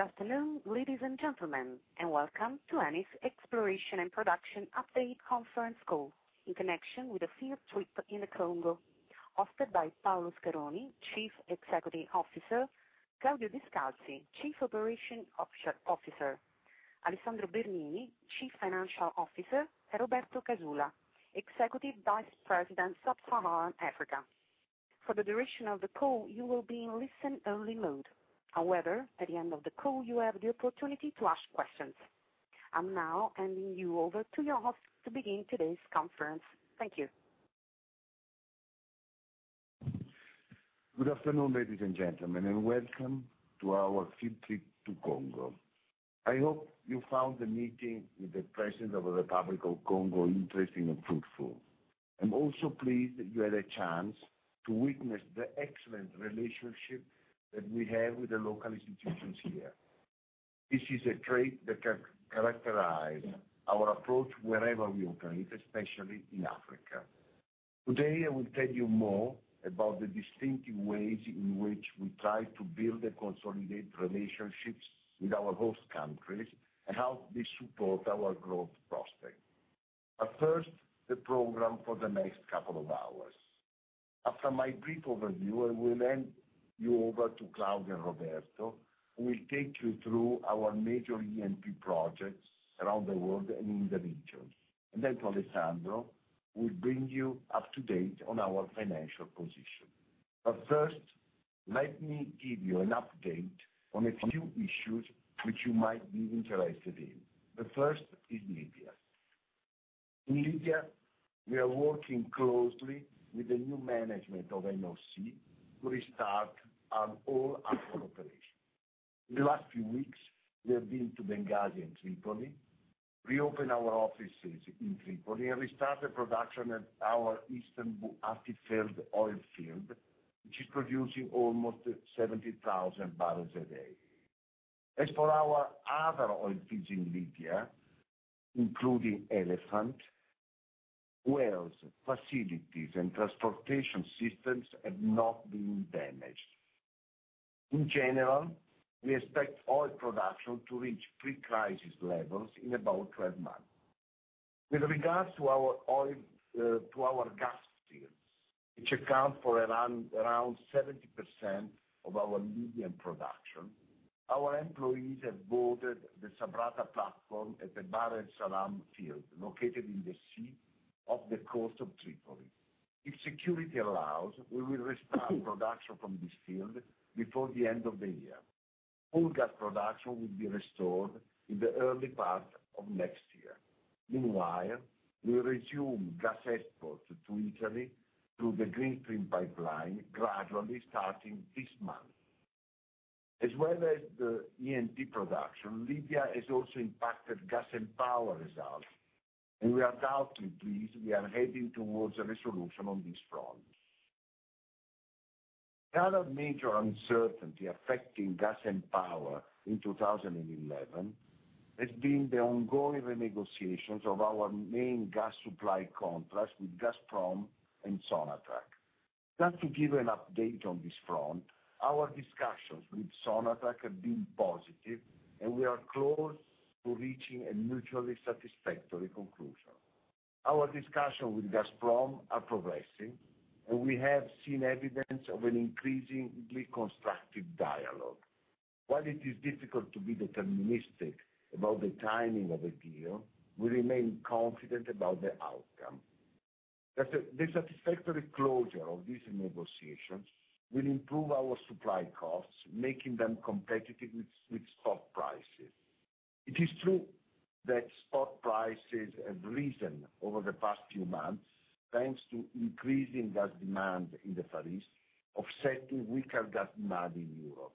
Good afternoon, ladies and gentlemen, and welcome to Eni's exploration and production update conference call in connection with the field trip in the Republic of Congo, hosted by Paolo Scaroni, Chief Executive Officer, Claudio Descalzi, Chief Operations Officer, Alessandro Bernini, Chief Financial Officer, and Roberto Casula, Executive Vice President Sub-Saharan Africa. For the duration of the call, you will be in listen-only mode. However, at the end of the call, you have the opportunity to ask questions. I'm now handing you over to your host to begin today's conference. Thank you. Good afternoon, ladies and gentlemen, and welcome to our field trip to the Republic of Congo. I hope you found the meeting with the questions of the Republic of Congo interesting and fruitful. I'm also pleased that you had a chance to witness the excellent relationship that we have with the local institutions here. This is a trait that characterizes our approach wherever we operate, especially in Africa. Today, I will tell you more about the distinctive ways in which we try to build and consolidate relationships with our host countries and how they support our growth prospects. The program for the next couple of hours: after my brief overview, I will hand you over to Claudio Descalzi and Roberto Casula, who will take you through our major E&P projects around the world and in the region. Then to Alessandro Bernini, who will bring you up to date on our financial position. First, let me give you an update on a few issues which you might be interested in. The first is Libya. In Libya, we are working closely with the new management of NOC to restart all our operations. In the last few weeks, we have been to Benghazi and Tripoli. We opened our offices in Tripoli and restarted production at our Istiklal oil field, which is producing almost 70,000 barrels a day. As for our other oil fields in Libya, including Elephant, wells, facilities, and transportation systems have not been damaged. In general, we expect oil production to reach pre-crisis levels in about 12 months. With regards to our gas field, which accounts for around 70% of our median production, our employees have boarded the Sabratha platform at the Bahr Essalam field, located in the sea off the coast of Tripoli. If security allows, we will restart production from this field before the end of the year. All gas production will be restored in the early part of next year. Meanwhile, we resume gas exports to Italy through the Greenstream pipeline, gradually starting this month. As well as the E&P production, Libya has also impacted gas and power results, and we are doubtfully pleased we are heading towards a resolution on this front. Another major uncertainty affecting gas and power in 2011 has been the ongoing renegotiations of our main gas supply contracts with Gazprom and Sonatrach. Trying to give an update on this front, our discussions with Sonatrach have been positive, and we are close to reaching a mutually satisfactory conclusion. Our discussions with Gazprom are progressing, and we have seen evidence of an increasingly constructive dialogue. While it is difficult to be deterministic about the timing of a deal, we remain confident about the outcome. The satisfactory closure of these negotiations will improve our supply costs, making them competitive with spot prices. It is true that spot prices have risen over the past few months, thanks to increasing gas demand in the Far East, offsetting weaker gas demand in Europe.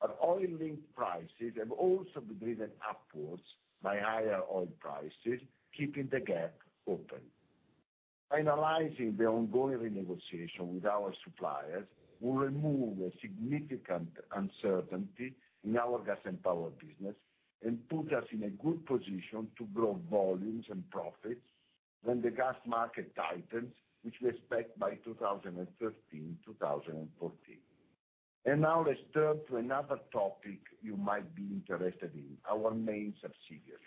Our oil link prices have also been driven upwards by higher oil prices, keeping the gap open. Finalizing the ongoing renegotiation with our suppliers will remove a significant uncertainty in our gas and power business and put us in a good position to grow volumes and profits when the gas market tightens, which we expect by 2013-2014. Now let's turn to another topic you might be interested in: our main subsidiaries.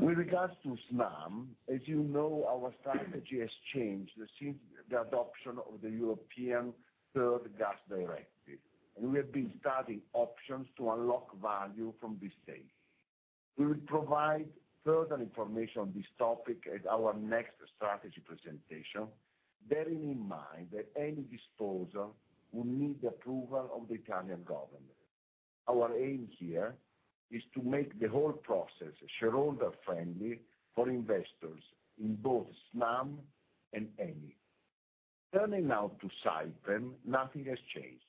With regards to SNAM, as you know, our strategy has changed since the adoption of the European Third Gas Directive, and we have been studying options to unlock value from this stage. We will provide further information on this topic at our next strategy presentation, bearing in mind that any disclosure will need the approval of the Italian government. Our aim here is to make the whole process shareholder-friendly for investors in both SNAM and Eni. Turning now to SIPEN, nothing has changed.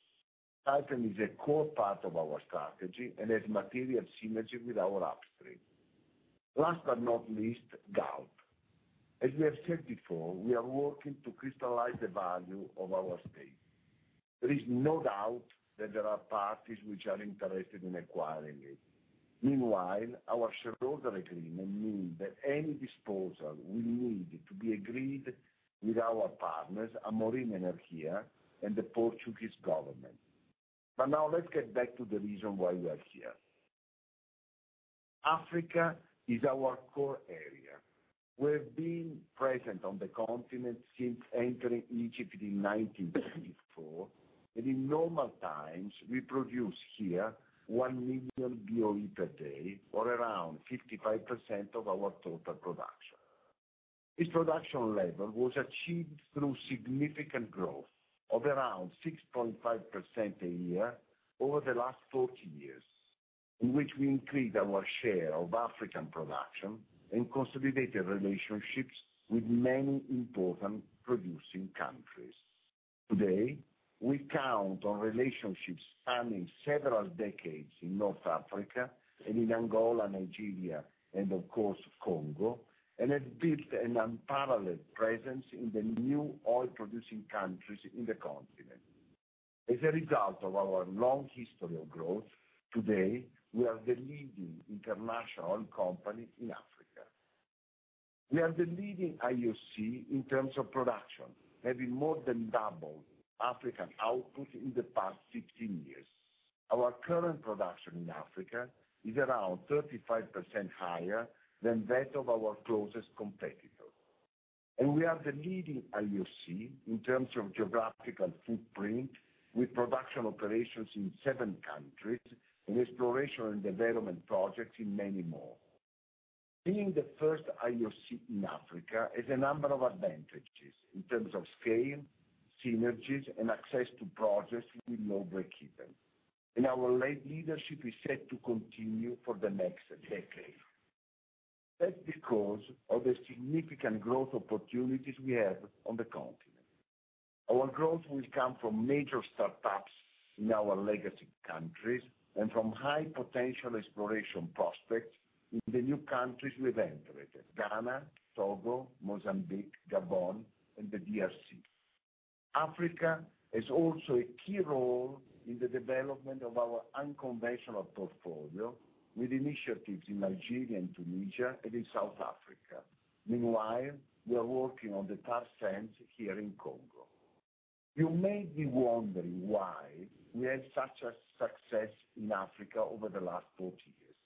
SIPEN is a core part of our strategy and has material synergy with our upstream. Last but not least, GALP. As we have said before, we are working to crystallize the value of our stake. There is no doubt that there are parties which are interested in acquiring it. Meanwhile, our shareholder agreement means that any disclosure will need to be agreed with our partners, Amorim Energia, and the Portuguese government. Now let's get back to the reason why we are here. Africa is our core area. We have been present on the continent since entering Egypt in 1954, and in normal times, we produce here 1 million BOE per day, or around 55% of our total production. This production level was achieved through significant growth of around 6.5% a year over the last 40 years, in which we increased our share of African production and consolidated relationships with many important producing countries. Today, we count on relationships spanning several decades in North Africa and in Angola, Nigeria, and of course, Republic of Congo, and have built an unparalleled presence in the new oil-producing countries in the continent. As a result of our long history of growth, today we are the leading international oil company in Africa. We are the leading IOC in terms of production, having more than doubled African output in the past 15 years. Our current production in Africa is around 35% higher than that of our closest competitors. We are the leading IOC in terms of geographical footprint, with production operations in seven countries and exploration and development projects in many more. Being the first IOC in Africa has a number of advantages in terms of scale, synergies, and access to projects within no break-even. Our leadership is set to continue for the next decade. That's because of the significant growth opportunities we have on the continent. Our growth will come from major startups in our legacy countries and from high potential exploration prospects in the new countries we have entered: Ghana, Togo, Mozambique, Gabon, and the Democratic Republic of the Congo. Africa also has a key role in the development of our unconventional portfolio, with initiatives in Nigeria and Tunisia and in South Africa. Meanwhile, we are working on the tar sands here in Republic of Congo. You may be wondering why we had such a success in Africa over the last 40 years.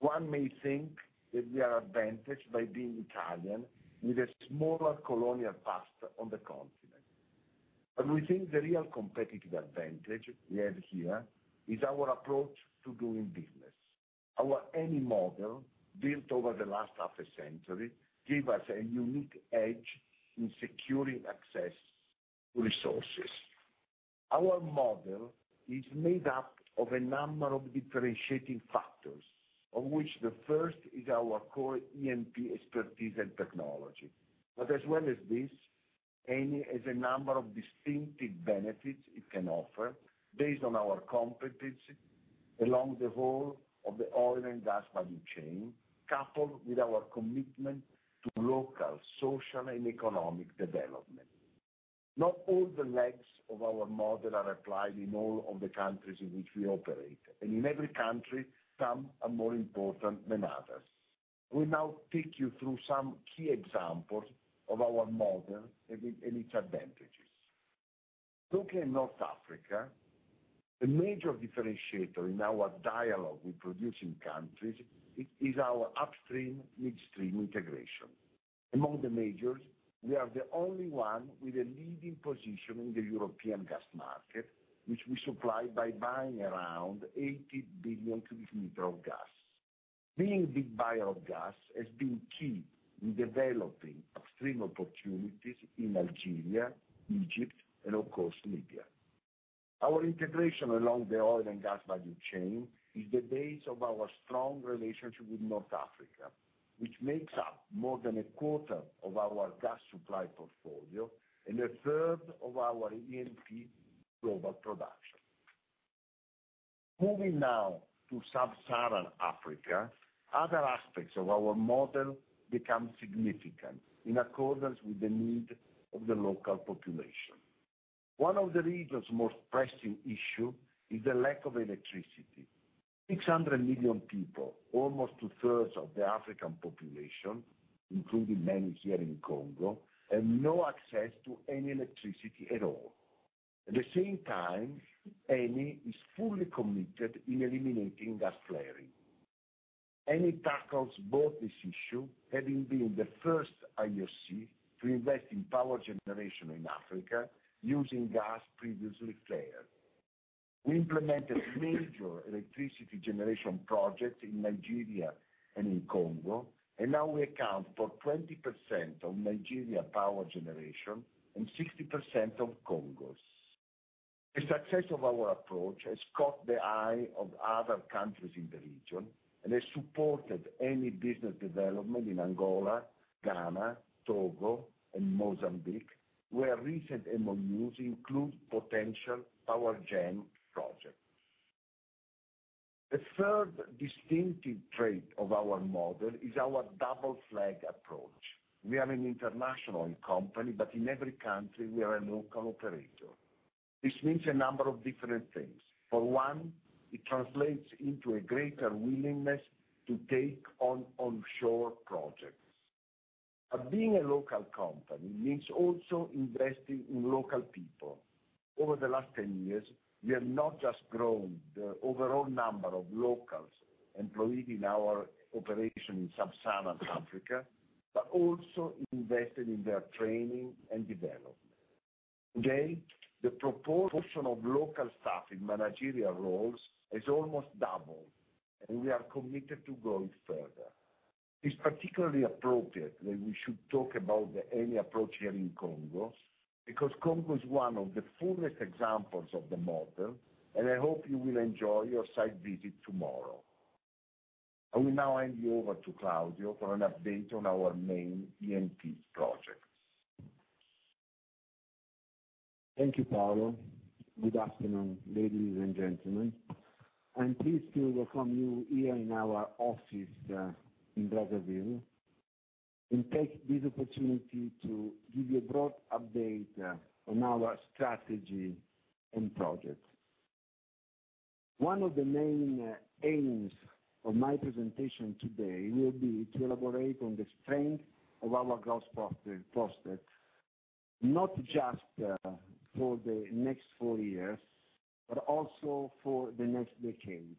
One may think that we are advantaged by being Italian with a smaller colonial past on the continent. We think the real competitive advantage we have here is our approach to doing business. Our Eni model, built over the last half a century, gave us a unique edge in securing access to resources. Our model is made up of a number of differentiating factors, of which the first is our core E&P expertise and technology. As well as this, Eni has a number of distinctive benefits it can offer based on our competence along the role of the oil and gas value chain, coupled with our commitment to local, social, and economic development. Not all the legs of our model are applied in all of the countries in which we operate, and in every country, some are more important than others. We'll now take you through some key examples of our model and its advantages. Looking at North Africa, a major differentiator in our dialogue with producing countries is our upstream/midstream integration. Among the majors, we are the only one with a leading position in the European gas market, which we supply by buying around 80 billion cubic meters of gas. Being a big buyer of gas has been key in developing stream opportunities in Algeria, Egypt, and of course, Libya. Our integration along the oil and gas value chain is the base of our strong relationship with North Africa, which makes up more than a quarter of our gas supply portfolio and a third of our E&P global production. Moving now to Sub-Saharan Africa, other aspects of our model become significant in accordance with the needs of the local population. One of the region's most pressing issues is the lack of electricity. 600 million people, almost two-thirds of the African population, including many here in Congo, have no access to any electricity at all. At the same time, Eni is fully committed in eliminating gas flaring. Eni tackles both these issues, having been the first IOC to invest in power generation in Africa using gas previously flared. We implemented major electricity generation projects in Nigeria and in Congo, and now we account for 20% of Nigeria power generation and 60% of Congo's. The success of our approach has caught the eye of other countries in the region and has supported Eni business development in Angola, Ghana, Togo, and Mozambique, where recent MOUs include potential PowerGen projects. A third distinctive trait of our model is our double-flag approach. We are an international company, but in every country, we are a local operator. This means a number of different things. For one, it translates into a greater willingness to take on offshore projects. Being a local company means also investing in local people. Over the last 10 years, we have not just grown the overall number of locals employed in our operation in Sub-Saharan Africa, but also invested in their training and development. Today, the proportion of local staff in managerial roles has almost doubled, and we are committed to growing further. It's particularly appropriate that we should talk about the Eni approach here in Congo because Congo is one of the fuller examples of the model, and I hope you will enjoy your site visit tomorrow. I will now hand you over to Claudio for an update on our main E&P project. Thank you, Paolo. Good afternoon, ladies and gentlemen. I'm pleased to welcome you here in our office in Brazzaville and take this opportunity to give you a broad update on our strategy and project. One of the main aims of my presentation today will be to elaborate on the strength of our growth prospects, not just for the next four years, but also for the next decade.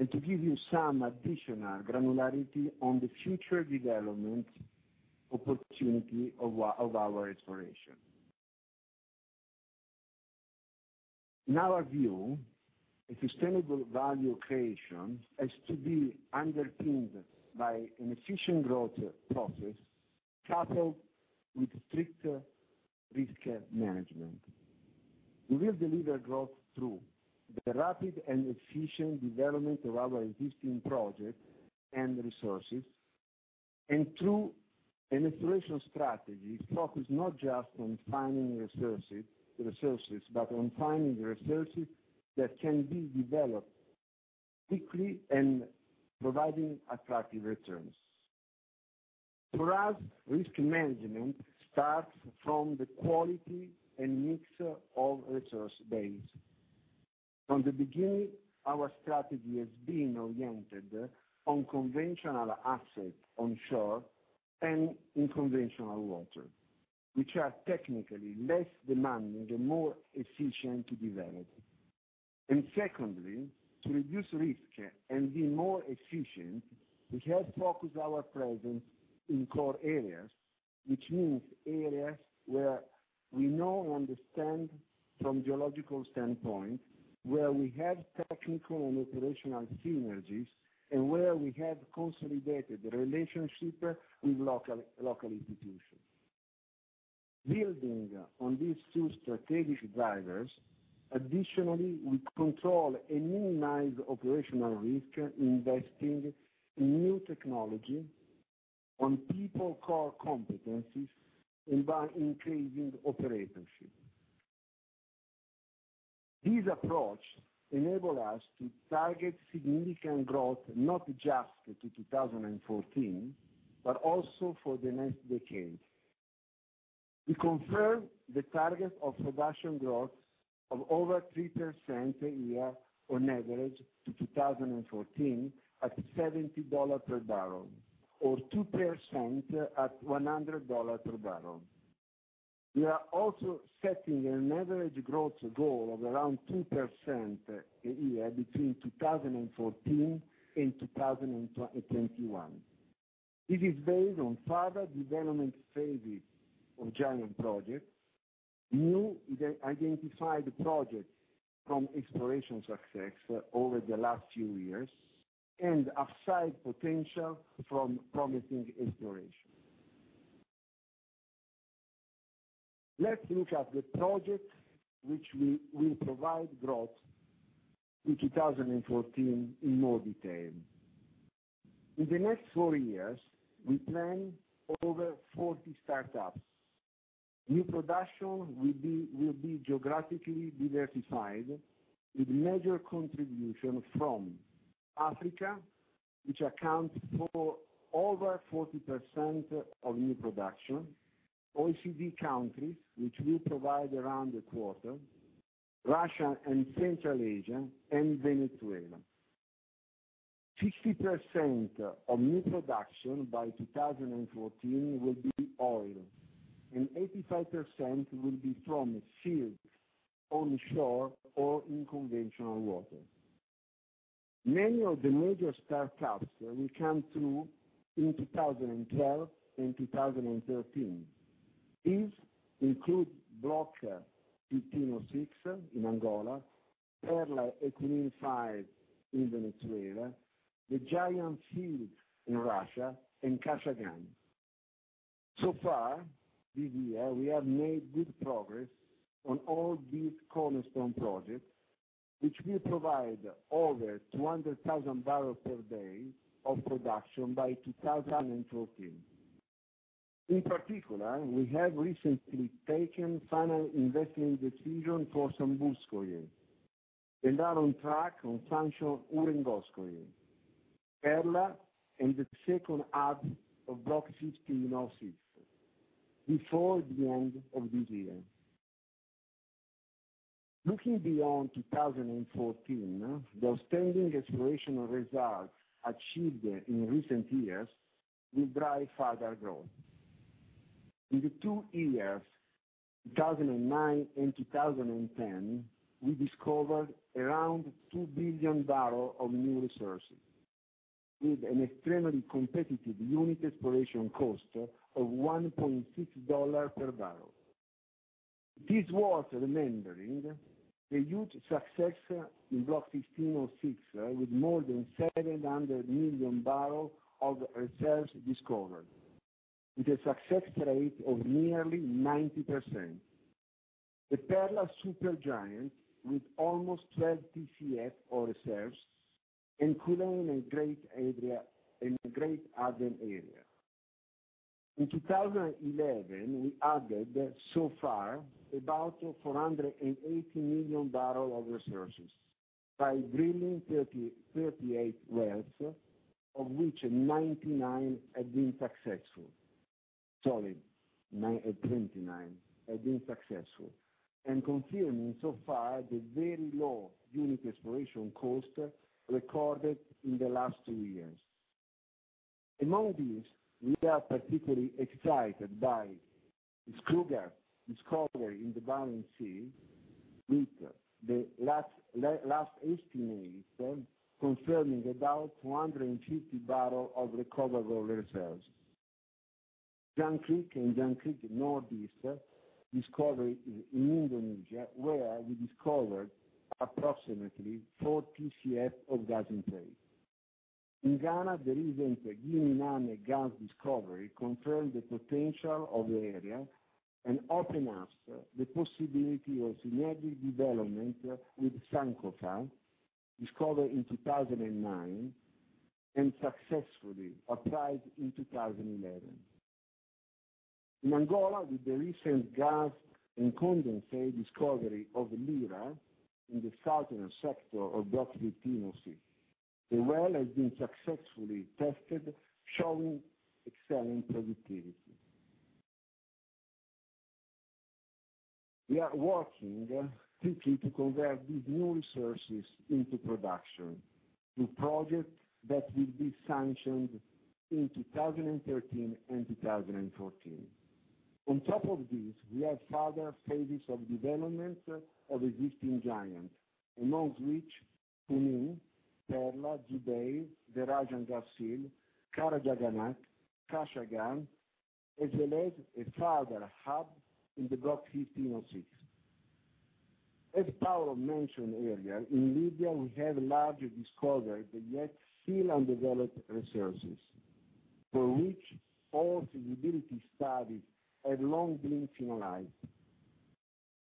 To give you some additional granularity on the future development opportunity of our exploration, in our view, a sustainable value creation has to be underpinned by an efficient growth process coupled with strict risk management. We will deliver growth through the rapid and efficient development of our existing projects and resources, and through an exploration strategy focused not just on finding resources, but on finding the resources that can be developed quickly and providing attractive returns. For us, risk management starts from the quality and mix of resource base. From the beginning, our strategy has been oriented on conventional assets onshore and in conventional water, which are technically less demanding and more efficient to develop. Secondly, to reduce risk and be more efficient, we have focused our presence in core areas, which means areas where we know and understand from a geological standpoint, where we have technical and operational synergies, and where we have consolidated the relationship with local institutions. Building on these two strategic drivers, additionally, we control and minimize operational risk investing in new technology, on people core competencies, and by increasing operatorship. This approach enables us to target significant growth, not just to 2014, but also for the next decade. We confirm the target of production growth of over 3% a year on average to 2014 at EUR 70 per barrel, or 2% at EUR 100 per barrel. We are also setting an average growth goal of around 2% a year between 2014 and 2021. This is based on further development phases of giant projects, new identified projects from exploration success over the last few years, and offsite potential from promising exploration. Let's look at the projects which will provide growth in 2014 in more detail. In the next four years, we plan over 40 startups. New production will be geographically diversified with major contributions from Africa, which accounts for over 40% of new production, OECD countries, which will provide around a quarter, Russia and Central Asia, and Venezuela. 60% of new production by 2014 will be oil, and 85% will be from sealed onshore or in conventional water. Many of the major startups will come through in 2012 and 2013. These include Block 15/06 in Angola, Perla and Equion 5 in Venezuela, the giant field in Russia, and Kashagan. So far this year, we have made big progress on all big cornerstone projects, which will provide over 200,000 barrels per day of production by 2014. In particular, we have recently taken the final investment decision for Samburskoye and are on track on Sanchu Urengoyskoye, Perla, and the second half of Block 15/06 in Ossi Povo before the end of this year. Looking beyond 2014, the outstanding exploration results achieved in recent years will drive further growth. In the two years, 2009 and 2010, we discovered around 2 billion barrels of new resources with an extremely competitive unit exploration cost of EUR 1.6 per barrel. This was remembering the huge success in Block 15/06 with more than 700 million barrels of reserves discovered, with a success rate of nearly 90%. The Perla supergiant, with almost 12 TCF of reserves, and Cuelone and Greater Adrian area. In 2011, we added so far about 480 million barrels of resources by drilling 38 wells, of which 29 have been successful. Sorry, 29 have been successful, and confirming so far the very low unit exploration cost recorded in the last two years. Among these, we are particularly excited by the Skrugard discovery in the Barents Sea, with the last estimate confirming about 250 million barrels of recoverable reserves. Jangkrik and Jangkrik Northeast discovery in Indonesia, where we discovered approximately 4 TCF of gas in place. In Ghana, the recent Gye Nyame gas discovery confirmed the potential of the area and opened up the possibility of synergic development with Sankofa, discovered in 2009 and successfully appraised in 2011. In Angola, with the recent gas and condensate discovery of the Cabaça in the southern sector of Block 15/06, the well has been successfully tested, showing excellent productivity. We are working quickly to convert these new resources into production through projects that will be sanctioned in 2013 and 2014. On top of this, we have further phases of development of existing giants, among which Tunu, Perla, Djeno, the Rajangas field, Karachaganak, Kashagan, as well as a further hub in the Block 15/06. As Paolo Scaroni mentioned earlier, in Libya, we have a large discovery, but yet still undeveloped resources, from which all feasibility studies have long been finalized.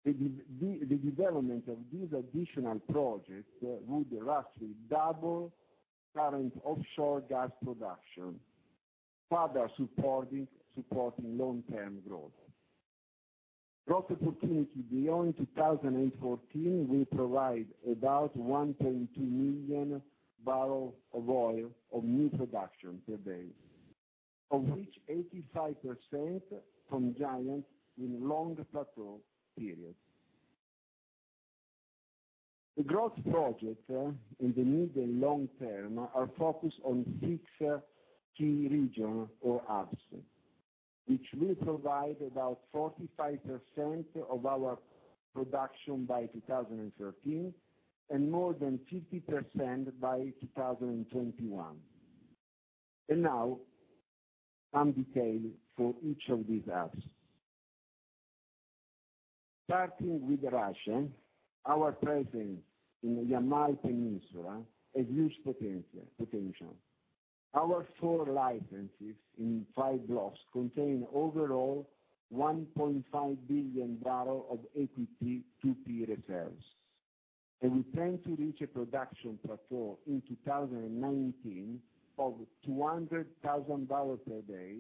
The development of these additional projects would roughly double current offshore gas production, further supporting long-term growth. Growth opportunity beyond 2014 will provide about 1.2 million barrels of oil of new production per day, of which 85% from giants in long plateau periods. The growth projects in the middle-long term are focused on six key regions or hubs, which will provide about 45% of our production by 2013 and more than 50% by 2021. Now, some details for each of these hubs. Starting with Russia, our presence in the Yamal Peninsula has huge potential. Our four licenses in five blocks contain overall 1.5 billion barrels of APTP reserves, and we plan to reach a production plateau in 2019 of 200,000 barrels per day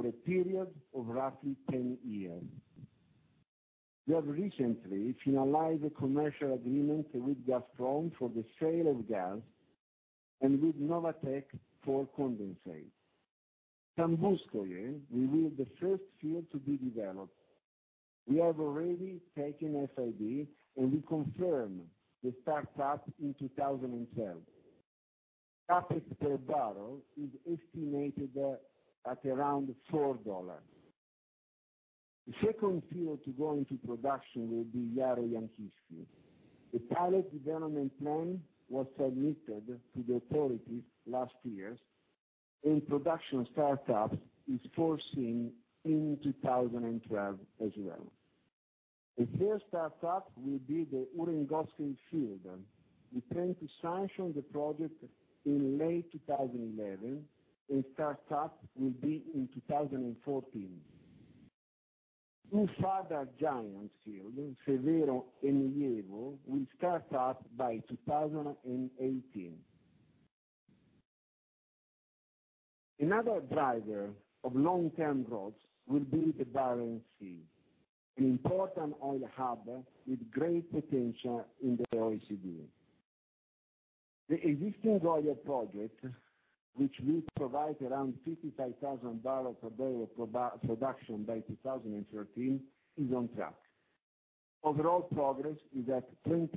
for a period of roughly 10 years. We have recently finalized a commercial agreement with Gazprom for the sale of gas and with Novatek for condensate. Sambuskoye will be the first field to be developed. We have already taken SID, and we confirmed the startup in 2012. Gas per barrel is estimated at around EUR 4. The second field to go into production will be Yaroyanchish field. A pilot development plan was submitted to the authorities last year, and production startup is foreseen in 2012 as well. A third startup will be the Urengoskin field. We plan to sanction the project in late 2011, and startup will be in 2014. Two further giant fields, Severo and Ievo, will start up by 2018. Another driver of long-term growth will be the Barents Sea, an important oil hub with great potential in the OECD. The existing oil project, which will provide around 55,000 barrels per day of production by 2013, is on track. Overall progress is at 22%,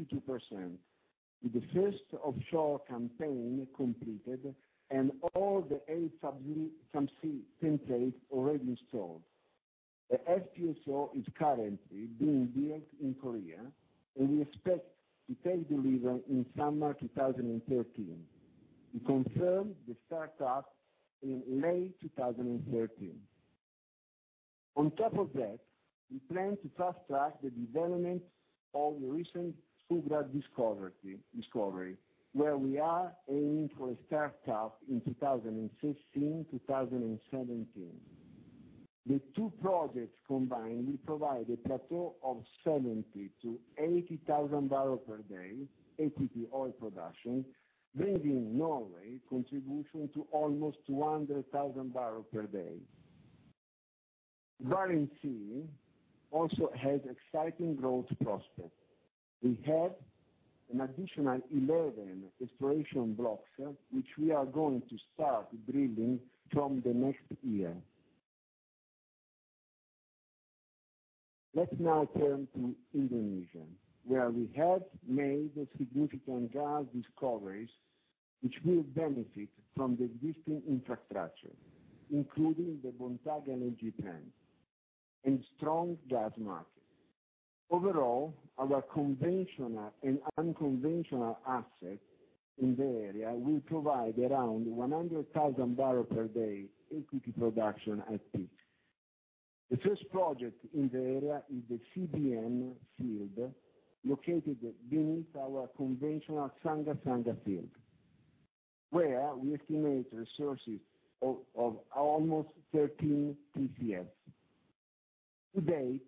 with the first offshore campaign completed and all the A subsea templates already installed. The FPSO is currently being built in Korea, and we expect it to be delivered in summer 2013. We confirmed the startup in late 2013. On top of that, we plan to fast-track the development of the recent Struga discovery, where we are aiming for a startup in 2016-2017. The two projects combined will provide a plateau of 70,000 to 80,000 barrels per day APP oil production, bringing Norway contribution to almost 200,000 barrels per day. The Barents Sea also has exciting growth prospects. We have an additional 11 exploration blocks, which we are going to start drilling from the next year. Let's now turn to Indonesia, where we have made significant gas discoveries, which will benefit from the existing infrastructure, including the Bontang Energy Plant and strong gas market. Overall, our conventional and unconventional assets in the area will provide around 100,000 barrels per day APP production active. The first project in the area is the CBN field located beneath our conventional Sanga-Sanga field, where we estimate resources of almost 13 TCF. Today,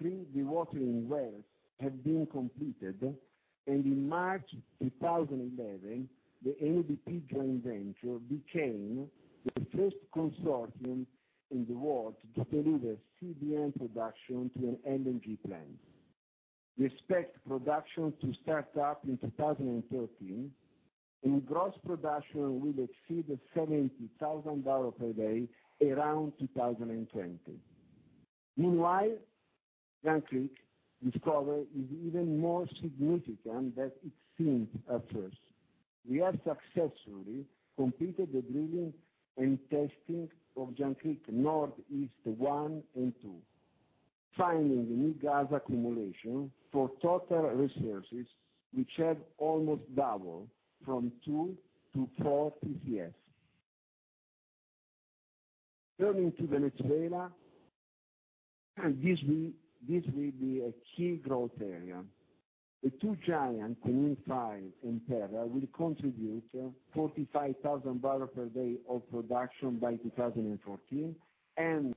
three dewatering wells have been completed, and in March 2011, the NDP joint venture became the first consortium in the world to deliver CBN production to an energy plant. We expect production to start up in 2013, and the gross production will exceed 70,000 barrels per day around 2020. Meanwhile, Jangkrik discovery is even more significant than it seemed at first. We have successfully completed the drilling and testing of Jangkrik Northeast 1 and 2, finding new gas accumulation for total resources, which have almost doubled from 2 to 4 TCF. Turning to Venezuela, and this will be a key growth area. The two giants, Junin 5 and Perla, will contribute 45,000 barrels per day of production by 2014 and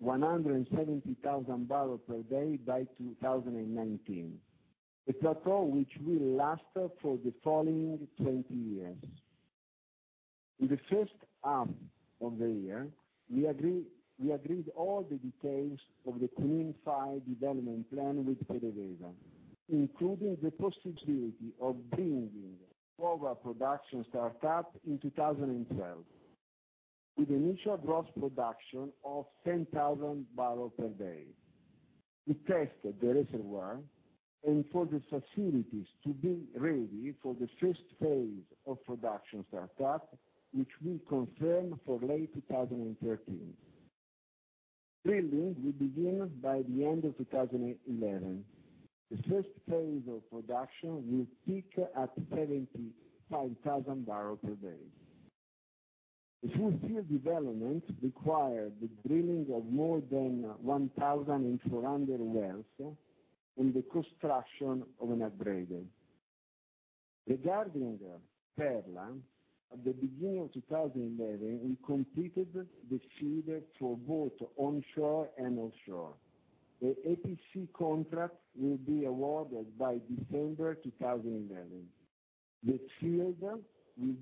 170,000 barrels per day by 2019, a plateau which will last for the following 20 years. In the first half of the year, we agreed all the details of the Junin 5 development plan with PDVSA, including the possibility of building a power production startup in 2012, with initial gross production of 10,000 barrels per day. We tested the reservoir and for the facilities to be ready for the first phase of production startup, which we confirmed for late 2013. Drilling will begin by the end of 2011. The first phase of production will peak at 75,000 barrels per day. A full field development requires the drilling of more than 1,400 wells and the construction of an upgrader. Regarding the Perla, at the beginning of 2011, we completed the field for both onshore and offshore. The EPC contract will be awarded by December 2011. The field will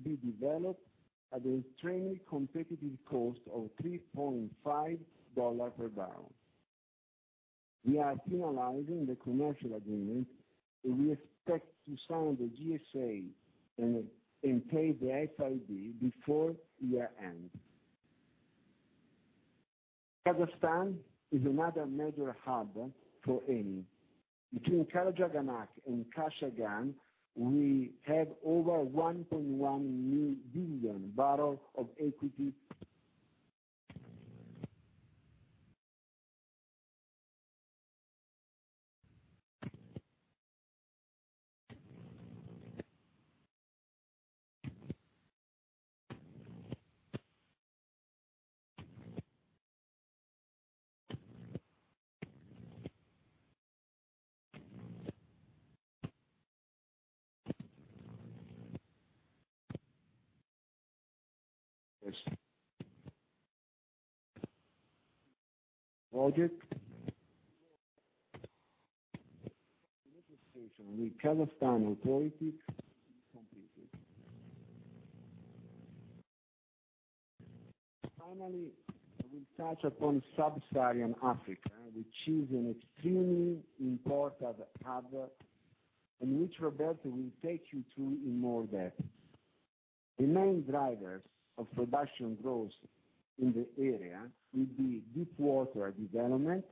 be developed at an extremely competitive cost of EUR 3.5 per barrel. We are finalizing the commercial agreement, and we expect to sign the GSA and pay the SID before year end. Kazakhstan is another major hub for Eni. Between Karachaganak and Kashagan, we have over 1.1 billion barrels of APP. Project. We have a session with Kazakhstan on quality compensation. Finally, I will touch upon Sub-Saharan Africa, which is an extremely important hub, and which Roberto Casula will take you through in more depth. A main driver of production growth in the area will be deep water development,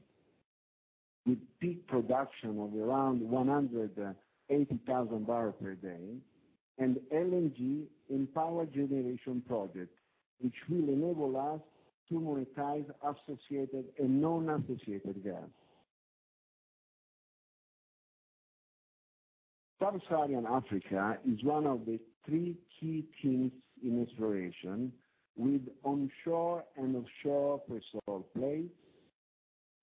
with peak production of around 180,000 barrels per day, and LNG and power generation projects, which will enable us to monetize associated and non-associated gas. Sub-Saharan Africa is one of the three key themes in exploration, with onshore and offshore crystal plates,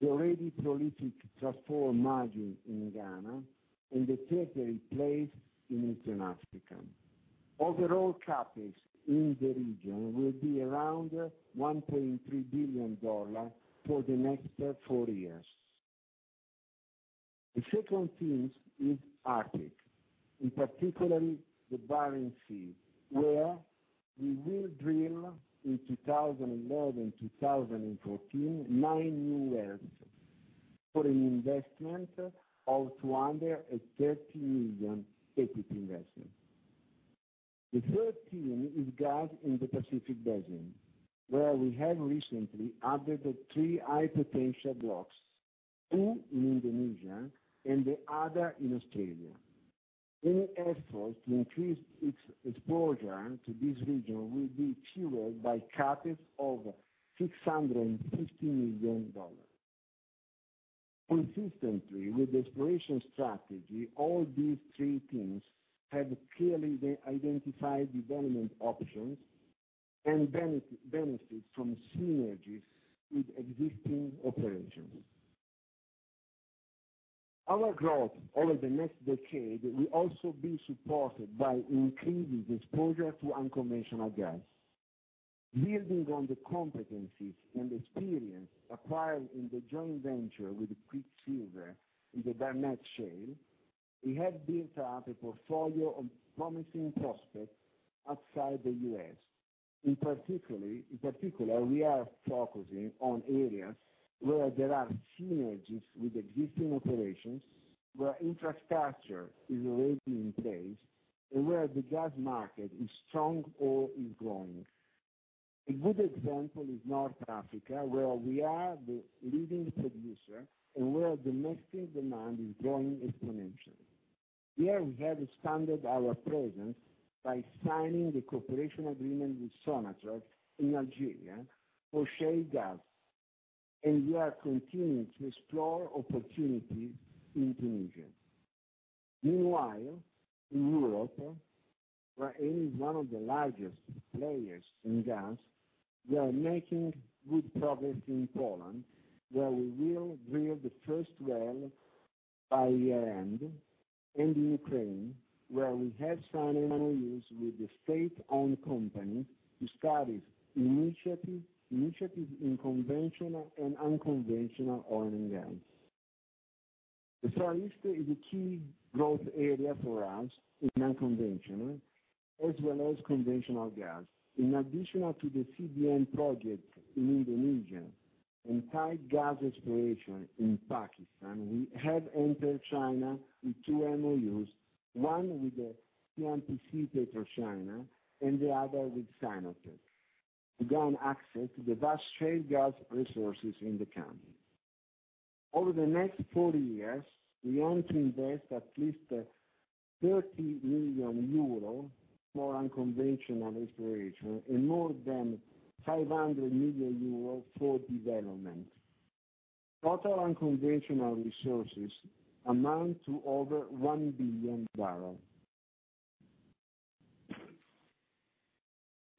the already prolific Tano margin in Ghana, and the tertiary plates in Eastern Africa. Overall CAPEX in the region will be around EUR 1.3 billion for the next four years. The second theme is Arctic, and particularly the Barents Sea, where we will drill in 2011-2014 nine new wells for an investment of 230 million CAPEX investment. The third theme is gas in the Pacific Basin, where we have recently added three high potential blocks, two in Indonesia and the other in Australia. Eni's effort to increase its exposure to this region will be fueled by CAPEX of EUR 650 million. Consistently with the exploration strategy, all these three themes have clearly identified development options and benefit from synergies with existing operations. Our growth over the next decade will also be supported by increasing the exposure to unconventional gas. Building on the competencies and experience acquired in the joint venture with Quicksilver in the Barnett Shale, we have built up a portfolio of promising prospects outside the U.S. In particular, we are focusing on areas where there are synergies with existing operations, where infrastructure is already in place, and where the gas market is strong or is growing. A good example is North Africa, where we are the leading producer and where domestic demand is growing exponentially. Here we have expanded our presence by signing the cooperation agreement with Sonatrach in Algeria for shale gas, and we are continuing to explore opportunities in Tunisia. Meanwhile, in Europe, where Eni is one of the largest players in gas, we are making good progress in Poland, where we will drill the first well by year end, and in Ukraine, where we have signed MOUs with the state-owned company to start its initiative in conventional and unconventional oil and gas. The Southeast is a key growth area for us in non-conventional as well as conventional gas. In addition to the CBN project in Indonesia and tight gas exploration in Pakistan, we have entered China with two MOUs, one with the CNPC State of China and the other with Sinopec, again access to the vast shale gas resources in the country. Over the next four years, we want to invest at least €30 million for unconventional exploration and more than €500 million for development. Total unconventional resources amount to over 1 billion barrels.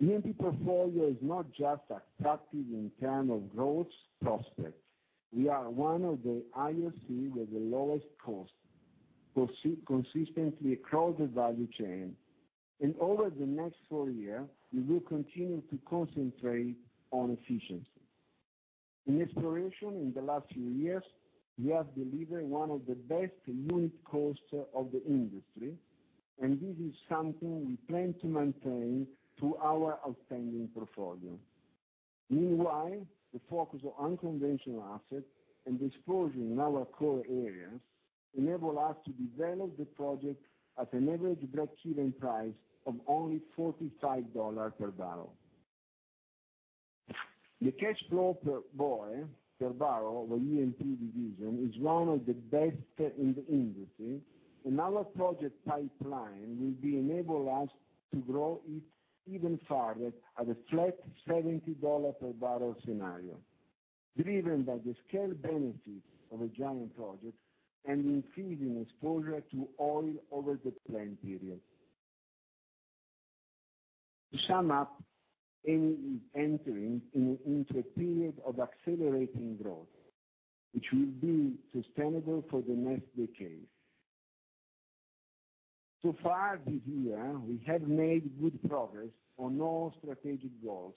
E&P portfolio is not just a captive in terms of growth prospects. We are one of the IOCs with the lowest costs consistently across the value chain, and over the next four years, we will continue to concentrate on efficiency. In exploration in the last few years, we have delivered one of the best unit costs of the industry, and this is something we plan to maintain through our outstanding portfolio. Meanwhile, the focus on unconventional assets and the exposure in our core areas enable us to develop the project at an average block ceiling price of only EUR 45 per barrel. The cash flow per barrel of E&P division is one of the best in the industry, and our project pipeline will enable us to grow it even further at a flat EUR 70 per barrel scenario, driven by the scale benefit of a giant project and increasing exposure to oil over the planned period. To sum up, Eni is entering into a period of accelerating growth, which will be sustainable for the next decade. So far this year, we have made good progress on all strategic goals,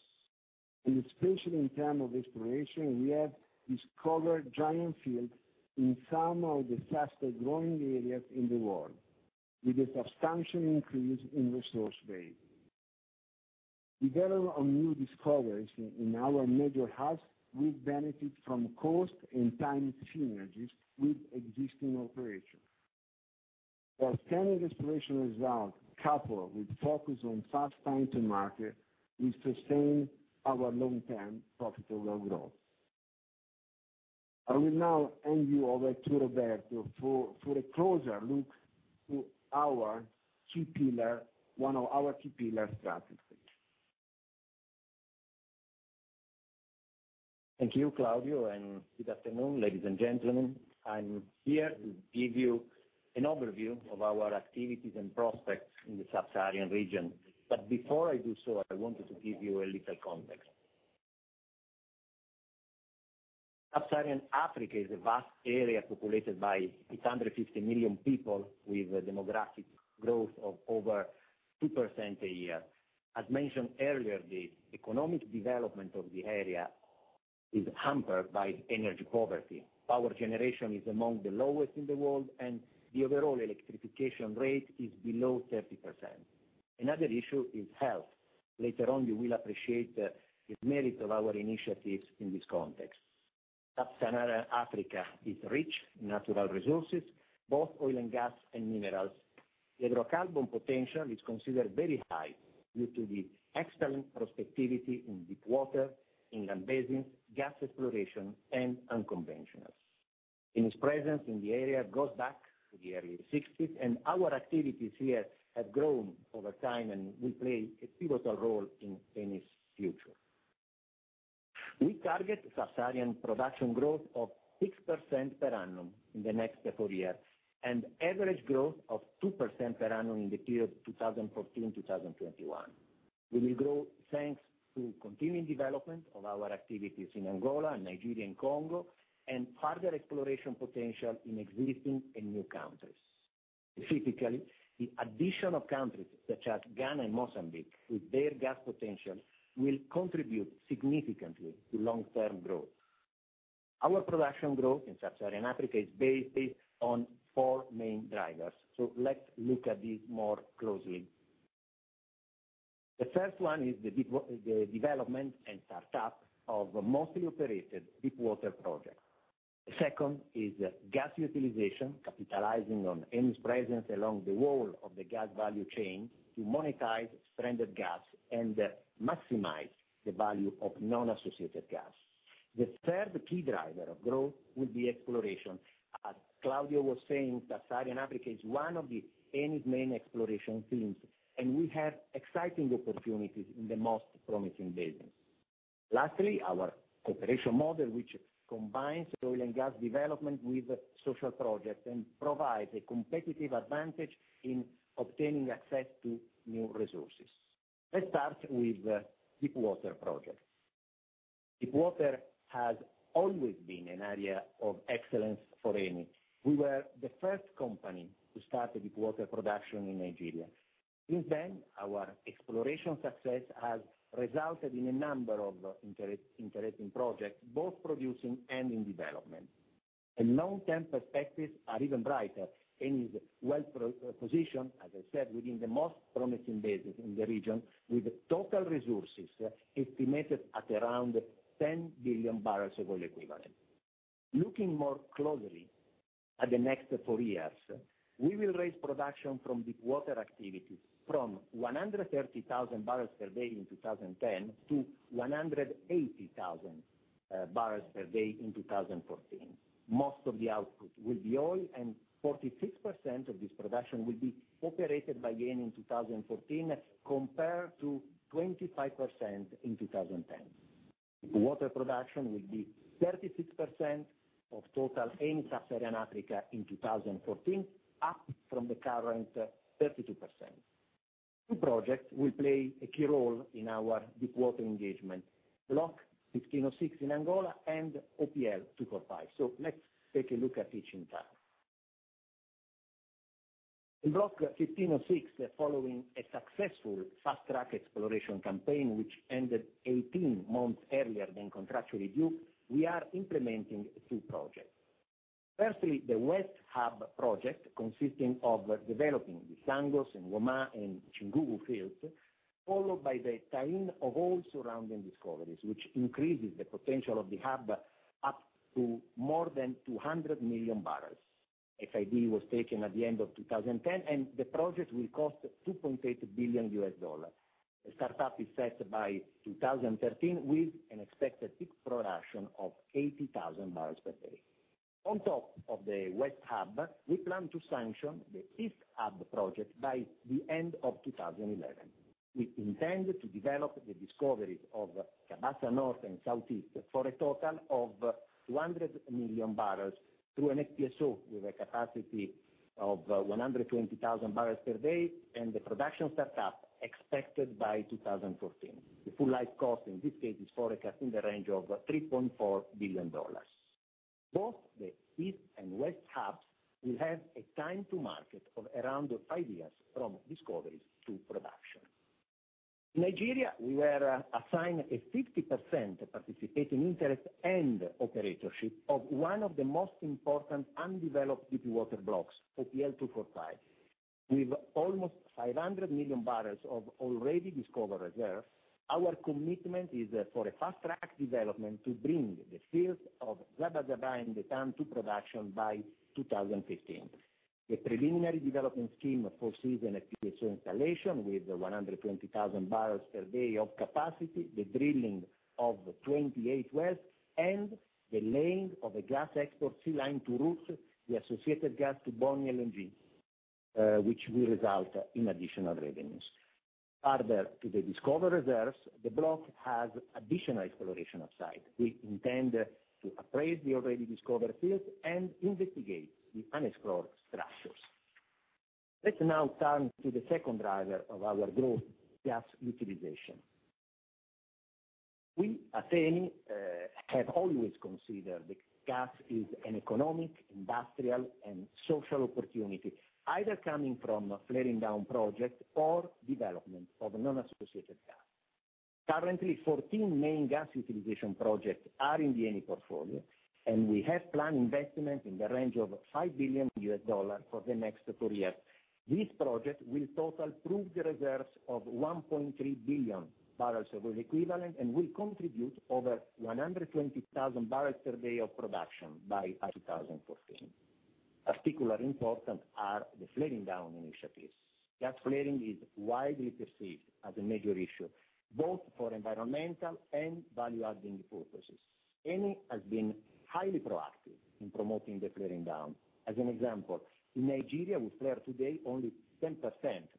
and especially in terms of exploration, we have discovered giant fields in some of the fastest growing areas in the world, with a substantial increase in resource base. Development on new discoveries in our major hubs will benefit from cost and time synergies with existing operations. Outstanding exploration results coupled with focus on fast time to market will sustain our long-term profitable growth. I will now hand you over to Roberto for a closer look to our key one of our key pillar strategies. Thank you, Claudio, and good afternoon, ladies and gentlemen. I'm here to give you an overview of our activities and prospects in the Sub-Saharan region. Before I do so, I wanted to give you a little context. Sub-Saharan Africa is a vast area populated by 850 million people, with a demographic growth of over 2% a year. As mentioned earlier, the economic development of the area is hampered by energy poverty. Power generation is among the lowest in the world, and the overall electrification rate is below 30%. Another issue is health. Later on, you will appreciate the merits of our initiatives in this context. Sub-Saharan Africa is rich in natural resources, both oil and gas and minerals. The hydrocarbon potential is considered very high due to the excellent prospectivity in deep water, in land basins, gas exploration, and unconventionals. Eni's presence in the area goes back to the early 1960s, and our activities here have grown over time and will play a pivotal role in Eni's future. We target Sub-Saharan production growth of 6% per annum in the next four years and average growth of 2% per annum in the period 2014-2021. We will grow thanks to the continuing development of our activities in Angola, Nigeria, and Republic of Congo, and further exploration potential in existing and new countries. Specifically, the addition of countries such as Ghana and Mozambique with their gas potential will contribute significantly to long-term growth. Our production growth in Sub-Saharan Africa is based on four main drivers, so let's look at these more closely. The first one is the development and startup of a mostly operated deep water project. The second is gas utilization, capitalizing on Eni's presence along the wall of the gas value chain to monetize stranded gas and maximize the value of non-associated gas. The third key driver of growth will be exploration. As Claudio was saying, Sub-Saharan Africa is one of Eni's main exploration fields, and we have exciting opportunities in the most promising basin. Lastly, our operation model, which combines oil and gas development with social projects and provides a competitive advantage in obtaining access to new resources. Let's start with the deep water project. Deep water has always been an area of excellence for Eni. We were the first company to start deep water production in Nigeria. Since then, our exploration success has resulted in a number of interesting projects, both producing and in development. Long-term perspectives are even brighter. Eni is well positioned, as I said, within the most promising basin in the region, with total resources estimated at around 10 billion barrels of oil equivalent. Looking more closely at the next four years, we will raise production from deep water activity from 130,000 barrels per day in 2010 to 180,000 barrels per day in 2014. Most of the output will be oil, and 46% of this production will be operated by Eni in 2014, compared to 25% in 2010. Water production will be 36% of total Eni Sub-Saharan Africa in 2014, up from the current 32%. Two projects will play a key role in our deep water engagement: Block 15/06 in Angola and OPL 245. Let's take a look at each in turn. In Block 15/06, following a successful fast-track exploration campaign which ended 18 months earlier than contractually due, we are implementing two projects. Firstly, the West Hub project, consisting of developing the Sangos, Woma, and Cinguvu fields, followed by the tie-in of all surrounding discoveries, which increases the potential of the hub up to more than 200 million barrels. FID was taken at the end of 2010, and the project will cost EUR 2.8 billion. The startup is set by 2013, with an expected peak production of 80,000 barrels per day. On top of the West Hub, we plan to sanction the East Hub project by the end of 2011. We intend to develop the discoveries of Cabaça North and South East for a total of 200 million barrels through an FPSO with a capacity of 120,000 barrels per day and the production startup expected by 2014. The full life cost in this case is forecast in the range of EUR 3.4 billion. Both the East and West Hubs will have a time to market of around five years, from discoveries to production. In Nigeria, we were assigned a 50% participating interest and operatorship of one of the most important undeveloped deep water blocks, OPL 245. With almost 500 million barrels of already discovered reserves, our commitment is for a fast-track development to bring the fields of Zabazaba and Etan to production by 2015. The preliminary development scheme foresees an FPSO installation with 120,000 barrels per day of capacity, the drilling of 28 wells, and the laying of a gas export sea line to route the associated gas to Bonny LNG, which will result in additional revenues. Further to the discovered reserves, the block has additional exploration upside. We intend to appraise the already discovered fields and investigate the unexplored structures. Let's now turn to the second driver of our growth: gas utilization. We, as Eni, have always considered that gas is an economic, industrial, and social opportunity, either coming from flaring down projects or development of non-associated gas. Currently, 14 main gas utilization projects are in the Eni portfolio, and we have planned investment in the range of EUR 5 billion for the next four years. These projects will total proved reserves of 1.3 billion barrels of oil equivalent and will contribute over 120,000 barrels per day of production by 2014. Particularly important are the flaring down initiatives. Gas flaring is widely perceived as a major issue, both for environmental and value-adding purposes. Eni has been highly proactive in promoting the flaring down. As an example, in Nigeria, we flare today only 10%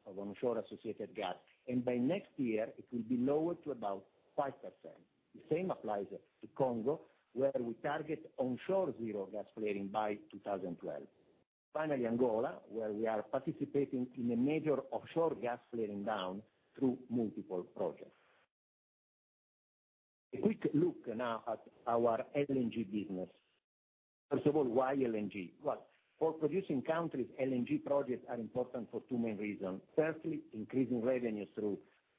of onshore associated gas, and by next year, it will be lowered to about 5%. The same applies to Republic of Congo, where we target onshore zero gas flaring by 2012. Finally, Angola, where we are participating in a major offshore gas flaring down through multiple projects. A quick look now at our LNG business. First of all, why LNG? For producing countries, LNG projects are important for two main reasons. Firstly, increasing revenues through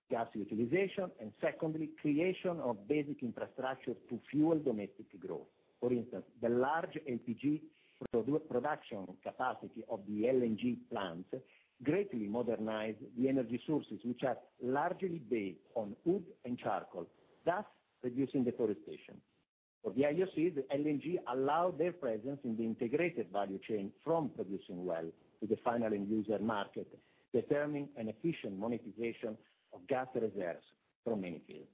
gas utilization, and secondly, creation of basic infrastructure to fuel domestic growth. For instance, the large LPG production capacity of the LNG plants greatly modernized the energy sources, which are largely based on wood and charcoal, thus reducing deforestation. For the IOC, the LNG allowed their presence in the integrated value chain from producing well to the final end user market, determining an efficient monetization of gas reserves from many fields.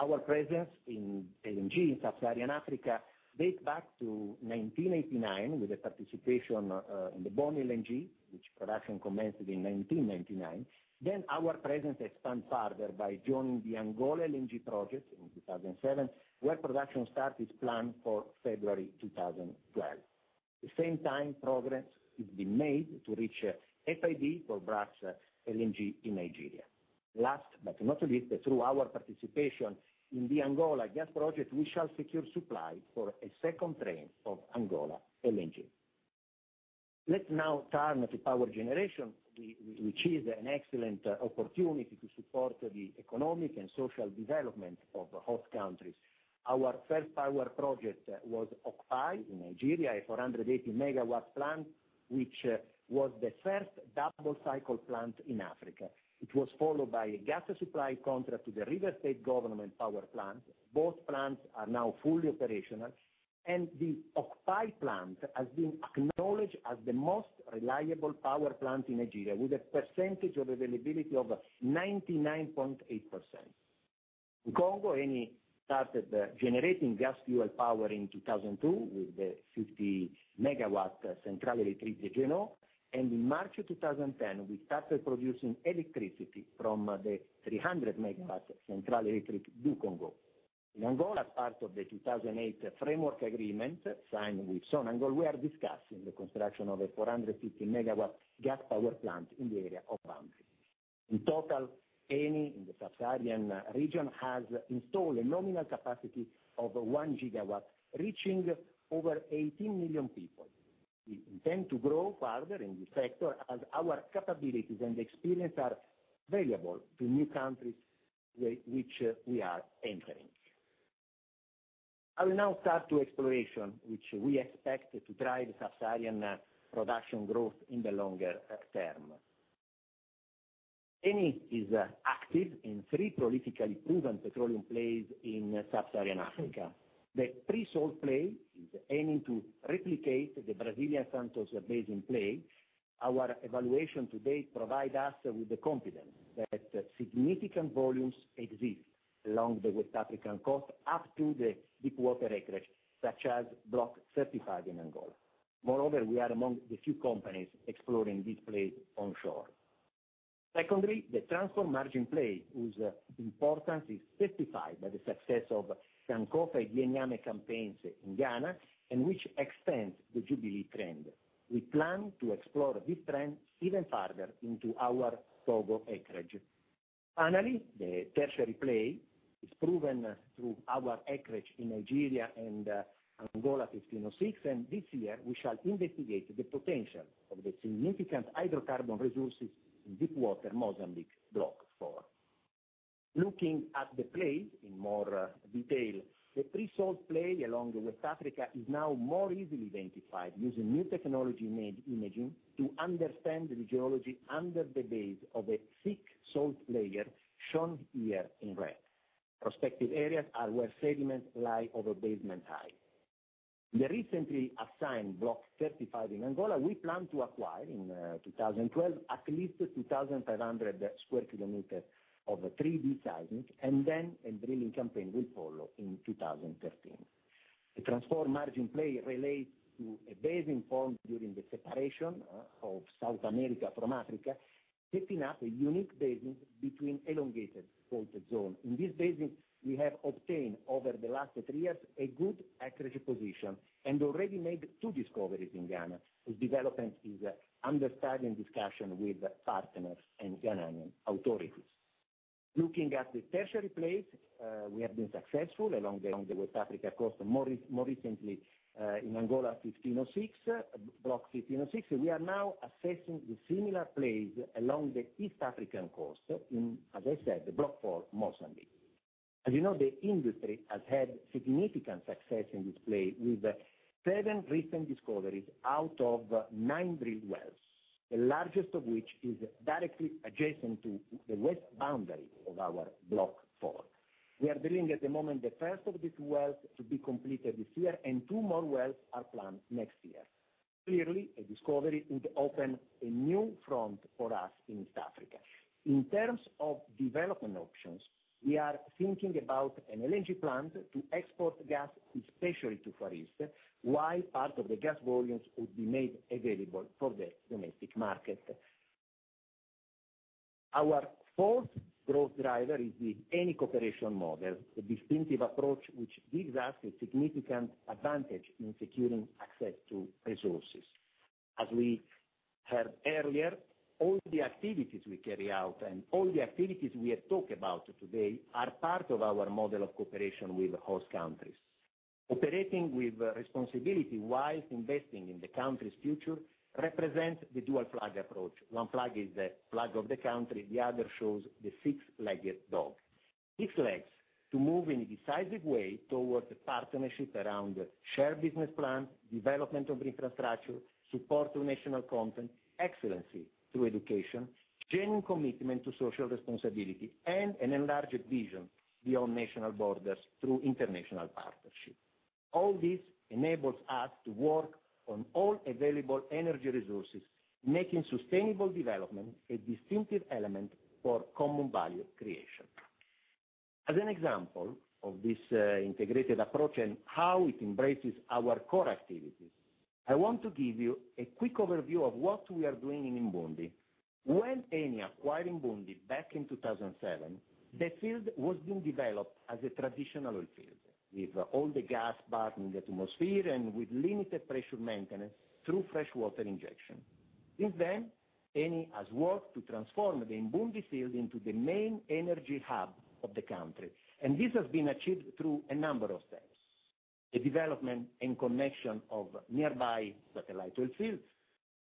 Our presence in LNG in Sub-Saharan Africa dates back to 1989 with the participation in the Bonny LNG, which production commenced in 1999. Our presence expanded further by joining the Angola LNG project in 2007, where production started planned for February 2012. At the same time, progress has been made to reach FID for Brass LNG in Nigeria. Last but not least, through our participation in the Angola gas project, we shall secure supply for a second train of Angola LNG. Let's now turn to power generation, which is an excellent opportunity to support the economic and social development of host countries. Our first power project was OKPAI in Nigeria, a 480 megawatt plant, which was the first double-cycle plant in Africa. It was followed by a gas supply contract to the River State Government power plant. Both plants are now fully operational, and the OKPAI plant has been acknowledged as the most reliable power plant in Nigeria, with a percentage of availability of 99.8%. In Congo, Eni started generating gas fuel power in 2002 with the 50 megawatt Central Electricity of Geno, and in March 2010, we started producing electricity from the 300 megawatt Central Electricity of Dugongo. In Angola, as part of the 2008 framework agreement signed with Sonangol, we are discussing the construction of a 450 megawatt gas power plant in the area of Bambi. In total, Eni in the Sub-Saharan region has installed a nominal capacity of 1 gigawatt, reaching over 18 million people. We intend to grow further in this sector as our capabilities and experience are valuable to new countries in which we are entering. I will now start to explore which we expect to drive Sub-Saharan production growth in the longer term. Eni is active in three prolifically proven petroleum plays in Sub-Saharan Africa. The presalt play is aiming to replicate the Brazilian Santos Basin play. Our evaluation to date provides us with the confidence that significant volumes exist along the West African coast up to the deep water acreage, such as Block 35 in Angola. Moreover, we are among the few companies exploring these plays onshore. Secondly, the transform margin play, whose importance is testified by the success of Sankofa Gye Nyame campaigns in Ghana, and which extends the Jubilee trend. We plan to explore this trend even further into our Togo acreage. Finally, the tertiary play is proven through our acreage in Nigeria and Angola 15/06, and this year, we shall investigate the potential of the significant hydrocarbon resources in deep water Mozambique Block 4. Looking at the play in more detail, the presalt play along West Africa is now more easily identified using new technology named imaging to understand the geology under the base of a thick salt layer shown here in red. Prospective areas are where sediments lie over basement high. In the recently assigned Block 35 in Angola, we plan to acquire in 2012 at least 2,500 square kilometers of 3D seismic, and then a drilling campaign will follow in 2013. The transport margin play relates to a basin formed during the separation of South America from Africa, lifting up a unique basin between elongated point zones. In this basin, we have obtained over the last three years a good acreage position and already made two discoveries in Ghana, whose development is under further discussion with partners and Ghanaian authorities. Looking at the tertiary plays, we have been successful along the West Africa coast, more recently in Angola 15/06, Block 15/06. We are now assessing the similar plays along the East African coast, as I said, the Block 4 Mozambique. As you know, the industry has had significant success in this play with seven recent discoveries out of nine drilled wells, the largest of which is directly adjacent to the west boundary of our Block 4. We are drilling at the moment the first of these wells to be completed this year, and two more wells are planned next year. Clearly, a discovery will open a new front for us in East Africa. In terms of development options, we are thinking about an LNG plant to export gas, especially to Far East, while part of the gas volumes would be made available for the domestic market. Our fourth growth driver is the Eni cooperation model, a distinctive approach which gives us a significant advantage in securing access to resources. As we heard earlier, all the activities we carry out and all the activities we are talking about today are part of our model of cooperation with host countries. Operating with responsibility while investing in the country's future represents the dual flag approach. One flag is the flag of the country, the other shows the six-legged dog. This led to moving in a decisive way towards a partnership around a shared business plan, development of infrastructure, support to national content, excellency through education, genuine commitment to social responsibility, and an enlarged vision beyond national borders through international partnership. All this enables us to work on all available energy resources, making sustainable development a distinctive element for common value creation. As an example of this integrated approach and how it embraces our core activity, I want to give you a quick overview of what we are doing in Mbundi. When Eni acquired Mbundi back in 2007, the field was being developed as a traditional oil field, with all the gas burning in the atmosphere and with limited pressure maintenance through freshwater injection. Since then, Eni has worked to transform the Mbundi field into the main energy hub of the country, and this has been achieved through a number of things: the development and connection of nearby satellite oil fields,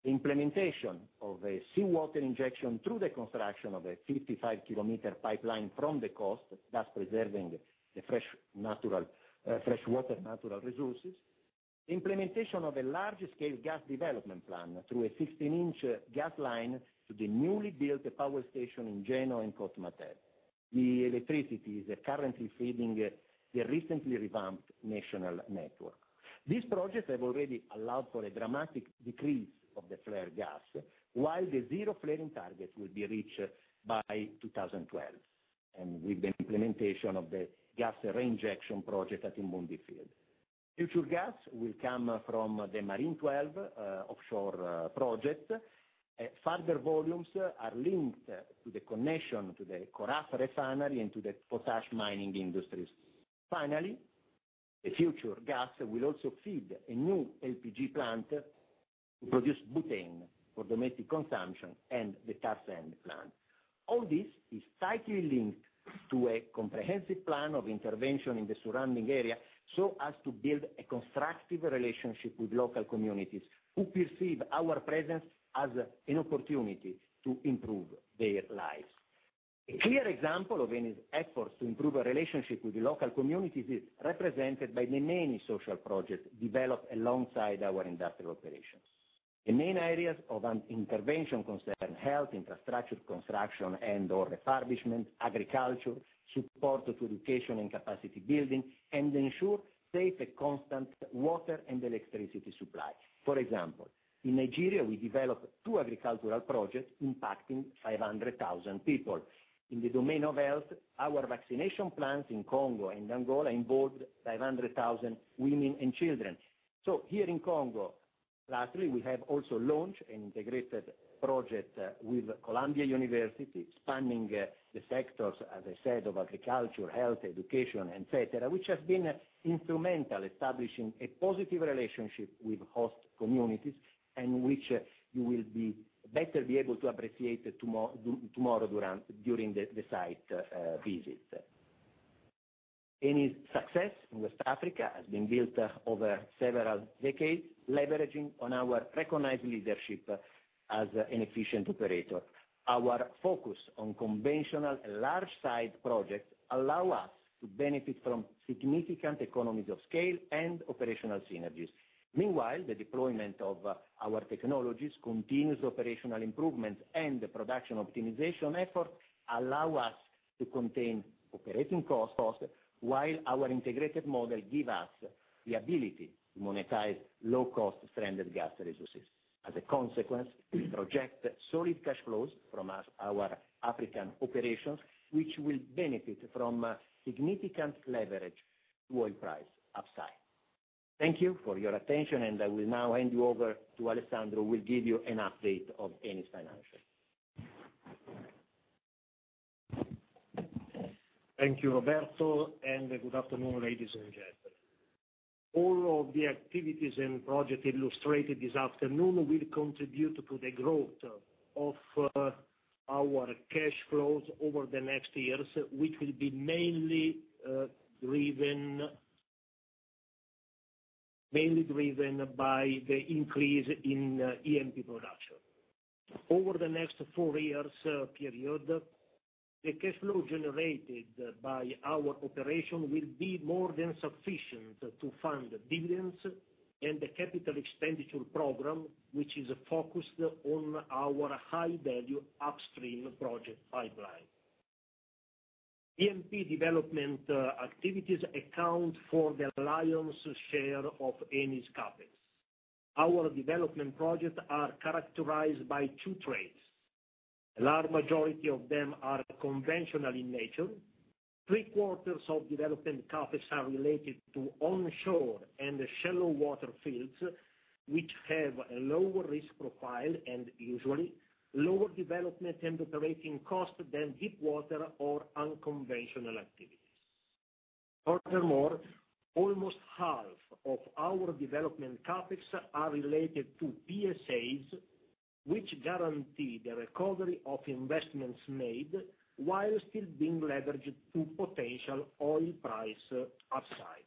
the implementation of a seawater injection through the construction of a 55-kilometer pipeline from the coast, thus preserving the freshwater natural resources, the implementation of a large-scale gas development plan through a 16-inch gas line to the newly built power station in Geno and Kot Matel. The electricity is currently feeding the recently revamped national network. These projects have already allowed for a dramatic decrease of the flare gas, while the zero flaring targets will be reached by 2012 with the implementation of the gas reinjection project at Mbundi field. Future gas will come from the Marine 12 offshore project. Further volumes are linked to the connection to the Koraf refinery and to the potash mining industries. Finally, future gas will also feed a new LPG plant to produce butane for domestic consumption and the Tarzani plant. All this is tightly linked to a comprehensive plan of intervention in the surrounding area, so as to build a constructive relationship with local communities who perceive our presence as an opportunity to improve their lives. A clear example of Eni's efforts to improve our relationship with the local communities is represented by the many social projects developed alongside our industrial operations. The main areas of intervention concern health, infrastructure construction and/or refurbishment, agriculture, support to education and capacity building, and ensure safe and constant water and electricity supply. For example, in Nigeria, we developed two agricultural projects impacting 500,000 people. In the domain of health, our vaccination plans in Congo and Angola involved 500,000 women and children. Here in Congo, we have also launched an integrated project with Columbia University, spanning the sectors, as I said, of agriculture, health, education, etc., which has been instrumental in establishing a positive relationship with host communities and which you will better be able to appreciate tomorrow during the site visit. Eni's success in West Africa has been built over several decades, leveraging on our recognized leadership as an efficient operator. Our focus on conventional and large-sized projects allows us to benefit from significant economies of scale and operational synergies. Meanwhile, the deployment of our technologies, continuous operational improvements, and the production optimization effort allow us to contain operating costs, while our integrated model gives us the ability to monetize low-cost stranded gas resources. As a consequence, we project solid cash flows from our African operations, which will benefit from significant leverage to oil price upside. Thank you for your attention, and I will now hand you over to Alessandro, who will give you an update on Eni's financing. Thank you, Roberto, and good afternoon, ladies and gentlemen. All of the activities and projects illustrated this afternoon will contribute to the growth of our cash flows over the next years, which will be mainly driven by the increase in E&P production. Over the next four years, the cash flow generated by our operation will be more than sufficient to fund dividends and the capital expenditure program, which is focused on our high-value upstream project pipeline. E&P development activities account for the lion's share of Eni's CapEx. Our development projects are characterized by two trails. A large majority of them are conventional in nature. Three-quarters of development CapEx are related to onshore and shallow water fields, which have a lower risk profile and usually lower development and operating costs than deep water or unconventional activities. Furthermore, almost half of our development CapEx are related to PSAs, which guarantee the recovery of investments made while still being leveraged to potential oil price upsides.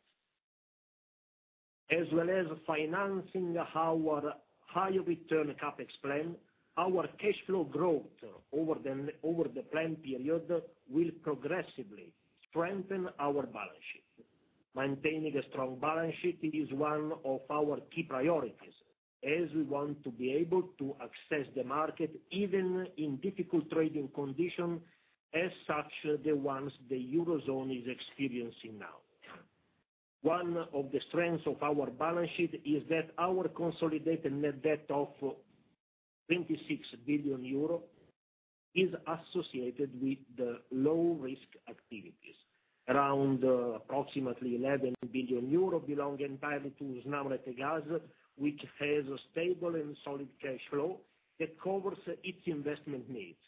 As well as financing our higher return CapEx plan, our cash flow growth over the planned period will progressively strengthen our balance sheet. Maintaining a strong balance sheet is one of our key priorities as we want to be able to access the market even in difficult trading conditions, such as the ones the Eurozone is experiencing now. One of the strengths of our balance sheet is that our consolidated net debt of €26 billion is associated with the low-risk activities. Around approximately €11 billion belong entirely to SNAM, which has a stable and solid cash flow that covers its investment needs.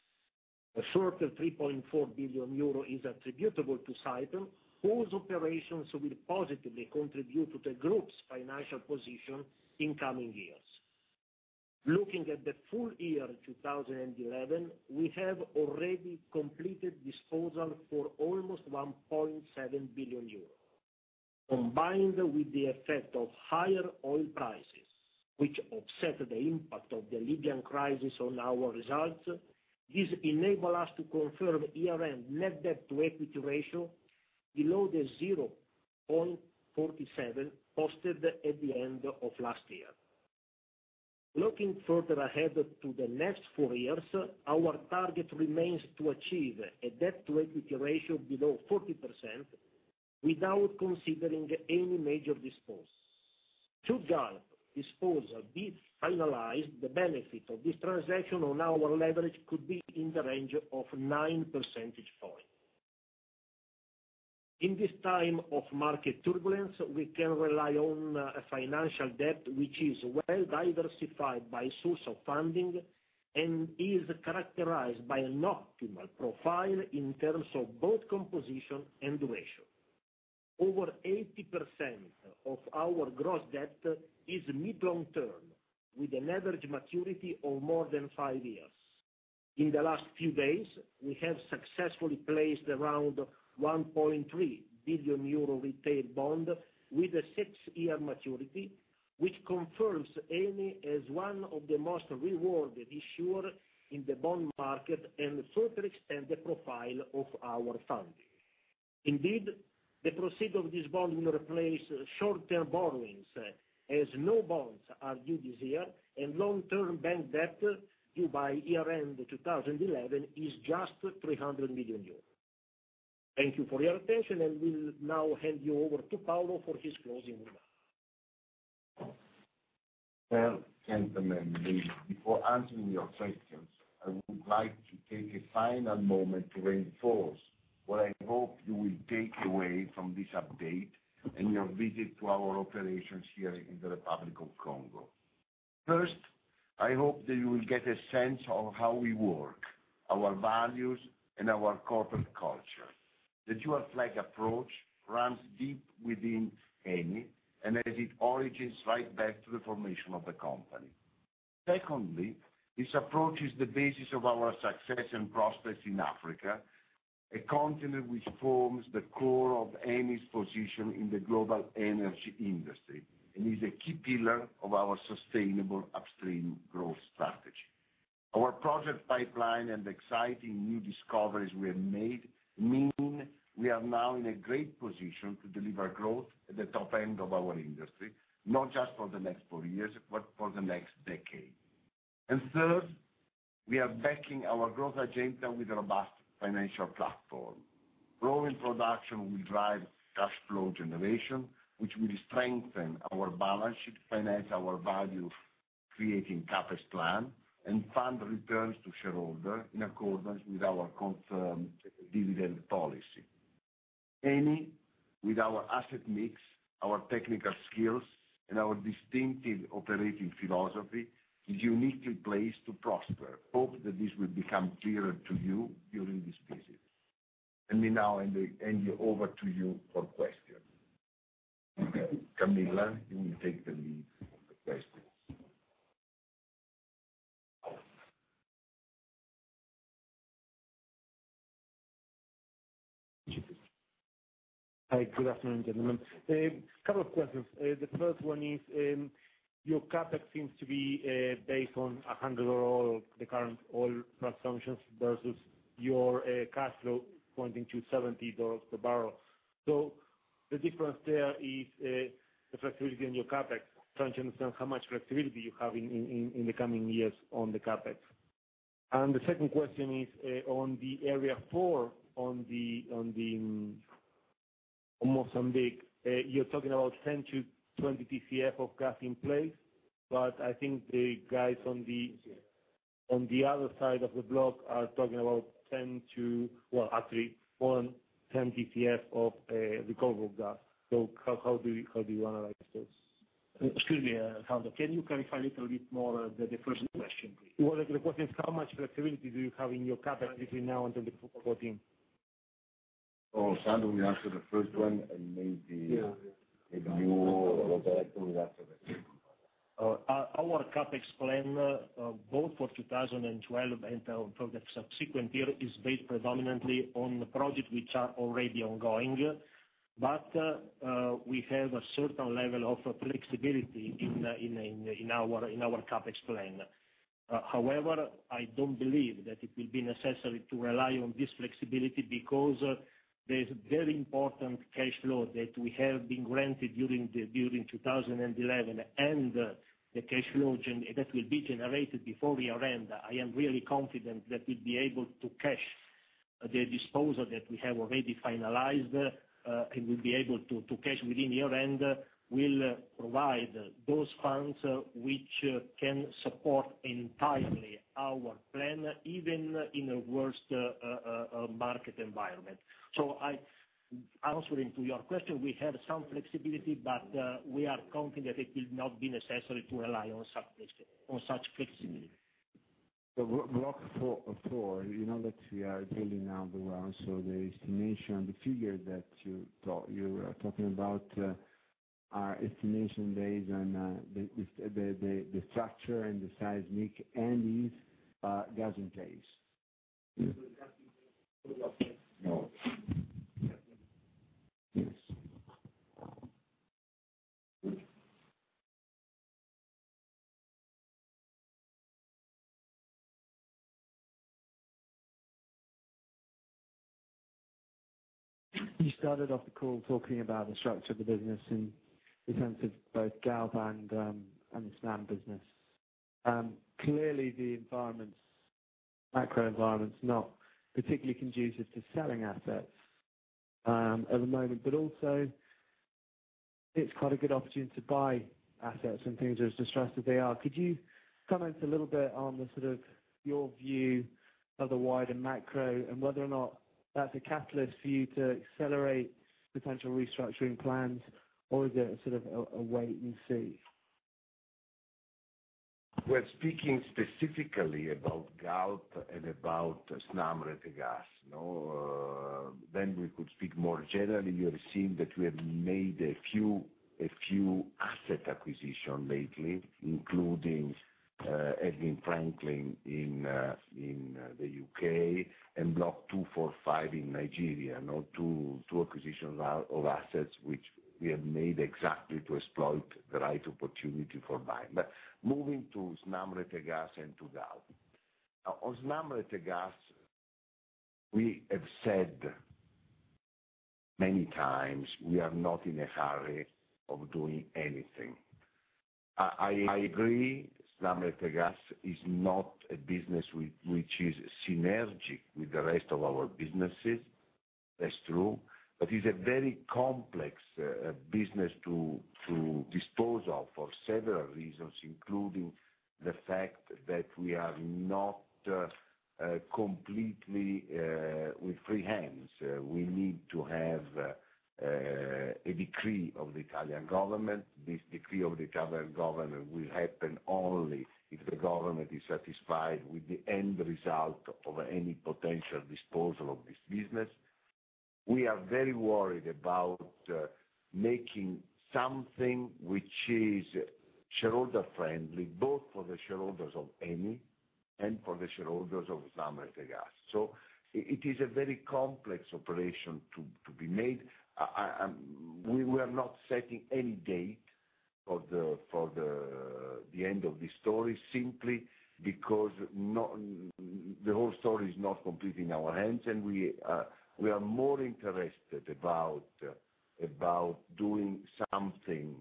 A short €3.4 billion is attributable to Saipem, whose operations will positively contribute to the group's financial position in coming years. Looking at the full year 2011, we have already completed disposal for almost €1.7 billion. Combined with the effect of higher oil prices, which offset the impact of the Libyan crisis on our results, this enables us to confirm year-end net debt-to-equity ratio below the 0.47 posted at the end of last year. Looking further ahead to the next four years, our target remains to achieve a debt-to-equity ratio below 40% without considering any major disposal. Should our disposal be finalized, the benefit of this transaction on our leverage could be in the range of 9 percentage points. In this time of market turbulence, we can rely on a financial debt which is well diversified by source of funding and is characterized by an optimal profile in terms of both composition and ratio. Over 80% of our gross debt is mid-long term, with an average maturity of more than five years. In the last few days, we have successfully placed around €1.3 billion retail bond with a six-year maturity, which confirms Eni as one of the most rewarded issuers in the bond market and further expands the profile of our funding. Indeed, the proceeds of this bond will replace short-term borrowings, as no bonds are due this year, and long-term bank debt due by year-end 2011 is just €300 million. Thank you for your attention, and we'll now hand you over to Paolo for his closing remarks. Gentlemen, before answering your questions, I would like to take a final moment to reinforce what I hope you will take away from this update and your visit to our operations here in the Republic of Congo. First, I hope that you will get a sense of how we work, our values, and our corporate culture. The dual flag approach runs deep within Eni, and its origins go right back to the formation of the company. Secondly, this approach is the basis of our success and prospects in Africa, a continent which forms the core of Eni's position in the global energy industry and is a key pillar of our sustainable upstream growth strategy. Our project pipeline and the exciting new discoveries we have made mean we are now in a great position to deliver growth at the top end of our industry, not just for the next four years, but for the next decade. Third, we are backing our growth agenda with a robust financial platform. Growing production will drive cash flow generation, which will strengthen our balance sheet, finance our value-creating CapEx plan, and fund returns to shareholders in accordance with our confirmed dividend policy. Eni, with our asset mix, our technical skills, and our distinctive operating philosophy, is uniquely placed to prosper. I hope that this will become clearer to you during this visit. Let me now hand over to you for questions. Camilla, you will take the lead. Hi, good afternoon, gentlemen. A couple of questions. The first one is, your CAPEX seems to be based on 100 of the current oil consumption versus your cash flow pointing to EUR 70 per barrel. The difference there is the flexibility in your CAPEX. Trying to understand how much flexibility you have in the coming years on the CAPEX. The second question is on the area four on the Mozambique. You're talking about 10 to 20 TCF of gas in place, but I think the guys on the other side of the block are talking about 10 to, actually, more than 10 TCF of the core of gas. How do you analyze this? Excuse me, Claudio, can you clarify a little bit more the first question, please? The question is, how much flexibility do you have in your CAPEX between now and 2014? Oh, Sandro, you answered the first one. I made the AWO overlap on the rest of it. Our CAPEX plan, both for 2012 and for the subsequent year, is based predominantly on projects which are already ongoing, but we have a certain level of flexibility in our CAPEX plan. However, I don't believe that it will be necessary to rely on this flexibility because there's important. Cash flow that we have been granted during 2011 and the cash flow that will be generated before year-end. I am really confident that we'll be able to catch the disposal that we have already finalized, and we'll be able to catch within year-end. We'll provide those funds which can support entirely our plan, even in a worst market environment. Answering to your question, we have some flexibility, but we are confident it will not be necessary to rely on such flexibility. Block four, you know that we are drilling number one. The estimation, the figure that you were talking about, our estimation based on the structure and the seismic, is getting pace. You started off the call talking about the structure of the business in the sense of both GAAP and the SLAM business. Clearly, the macro environment's not particularly conducive to selling assets at the moment, but also it's quite a good opportunity to buy assets when things are as distressed as they are. Could you comment a little bit on your view of the wider macro and whether or not that's a catalyst for you to accelerate potential restructuring plans, or is it a sort of a wait and see? We're speaking specifically about GALP and about SNAM Rete Gas. Then we could speak more generally. We have seen that we have made a few asset acquisitions lately, including Edwin Franklin in the UK and Block 245 in Nigeria. No two acquisitions of assets which we have made exactly to exploit the right opportunity for buying. Moving to SNAM Rete Gas and to GALP. On SNAM Rete Gas, we have said many times we are not in a hurry of doing anything. I agree SNAM Rete Gas is not a business which is synergic with the rest of our businesses. That's true. It is a very complex business to dispose of for several reasons, including the fact that we are not completely with free hands. We need to have a decree of the Italian government. This decree of the Italian government will happen only if the government is satisfied with the end result of any potential disposal of this business. We are very worried about making something which is shareholder friendly, both for the shareholders of Eni and for the shareholders of SNAM Rete Gas. It is a very complex operation to be made. We are not setting any date for the end of the story simply because the whole story is not completely in our hands, and we are more interested about doing something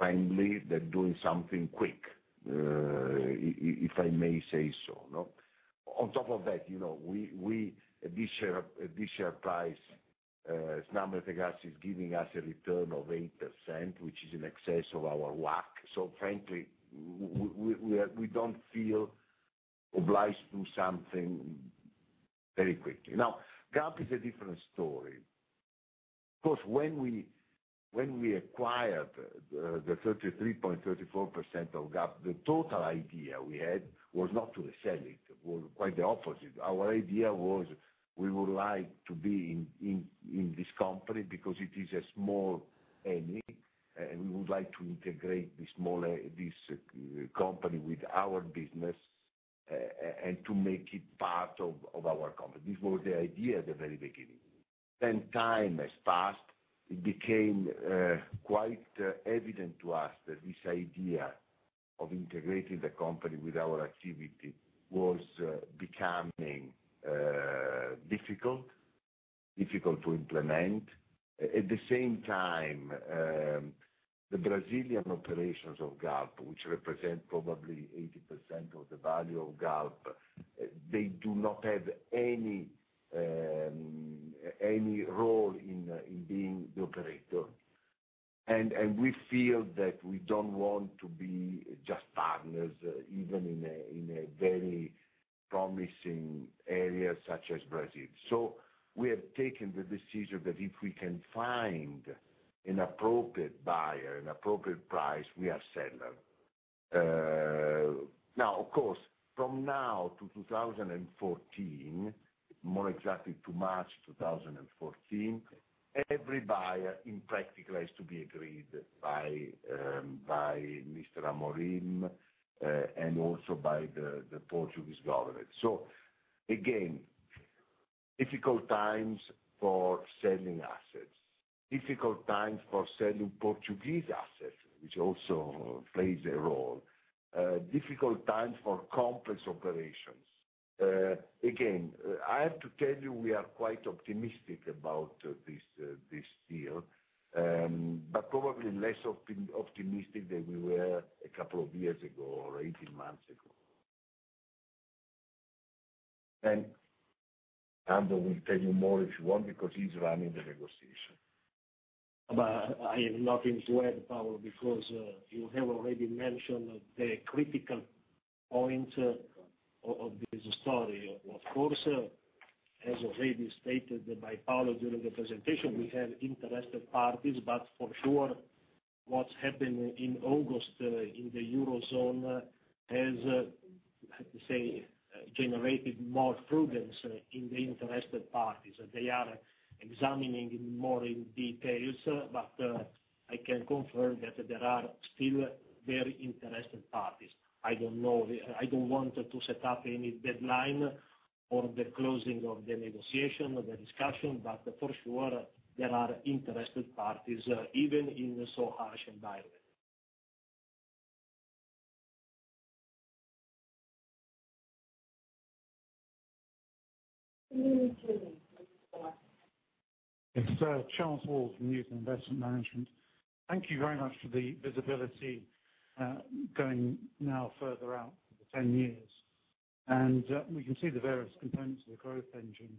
timely than doing something quick, if I may say so. On top of that, you know at this share price, SNAM Rete Gas is giving us a return of 8%, which is in excess of our WACC. Frankly, we don't feel obliged to do something very quickly. Now, GALP is a different story. Of course, when we acquired the 33.34% of GALP, the total idea we had was not to resell it. It was quite the opposite. Our idea was we would like to be in this company because it is a small Eni, and we would like to integrate this small company with our business and to make it part of our company. This was the idea at the very beginning. Time has passed. It became quite evident to us that this idea of integrating the company with our activity was becoming difficult, difficult to implement. At the same time, the Brazilian operations of GALP, which represent probably 80% of the value of GALP, do not have any role in being the operator. We feel that we don't want to be just partners, even in a very promising area such as Brazil. We have taken the decision that if we can find an appropriate buyer, an appropriate price, we are selling. Of course, from now to 2014, more exactly to March 2014, every buyer in practical has to be agreed by Mr. Amorim and also by the Portuguese government. Difficult times for selling assets. Difficult times for selling Portuguese assets, which also plays a role. Difficult times for complex operations. I have to tell you, we are quite optimistic about this deal, but probably less optimistic than we were a couple of years ago or 18 months ago. Aldo will tell you more if you want because he's running the negotiation. I have nothing to add, Paolo, because you have already mentioned the critical points of this story. Of course, as already stated by Paolo during the presentation, we have interested parties. For sure, what's happened in August in the Eurozone has, let's say, generated more problems in the interested parties. They are examining in more detail, but I can confirm that there are still very interested parties. I don't know. I don't want to set up any deadline or the closing of the negotiation or the discussion, but for sure, there are interested parties, even in a so harsh environment. It's Chelmsville News Investment Management. Thank you very much for the visibility going now further out 10 years. We can see the various components of the growth engine.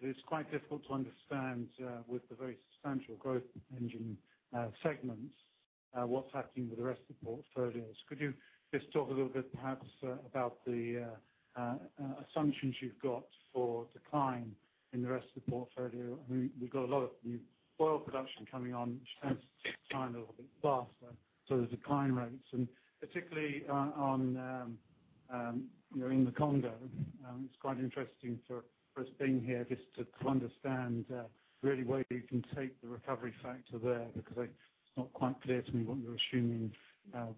It is quite difficult to understand with the very substantial growth engine segments what's happening with the rest of the portfolio. Could you just talk a little bit perhaps about the assumptions you've got for decline in the rest of the portfolio? I mean, we've got a lot of new oil production coming on, which tends to decline a little bit faster. The decline rates, and particularly in the Republic of Congo, it's quite interesting for us being here just to understand really where you can take the recovery factor there because it's not quite clear to me what you're assuming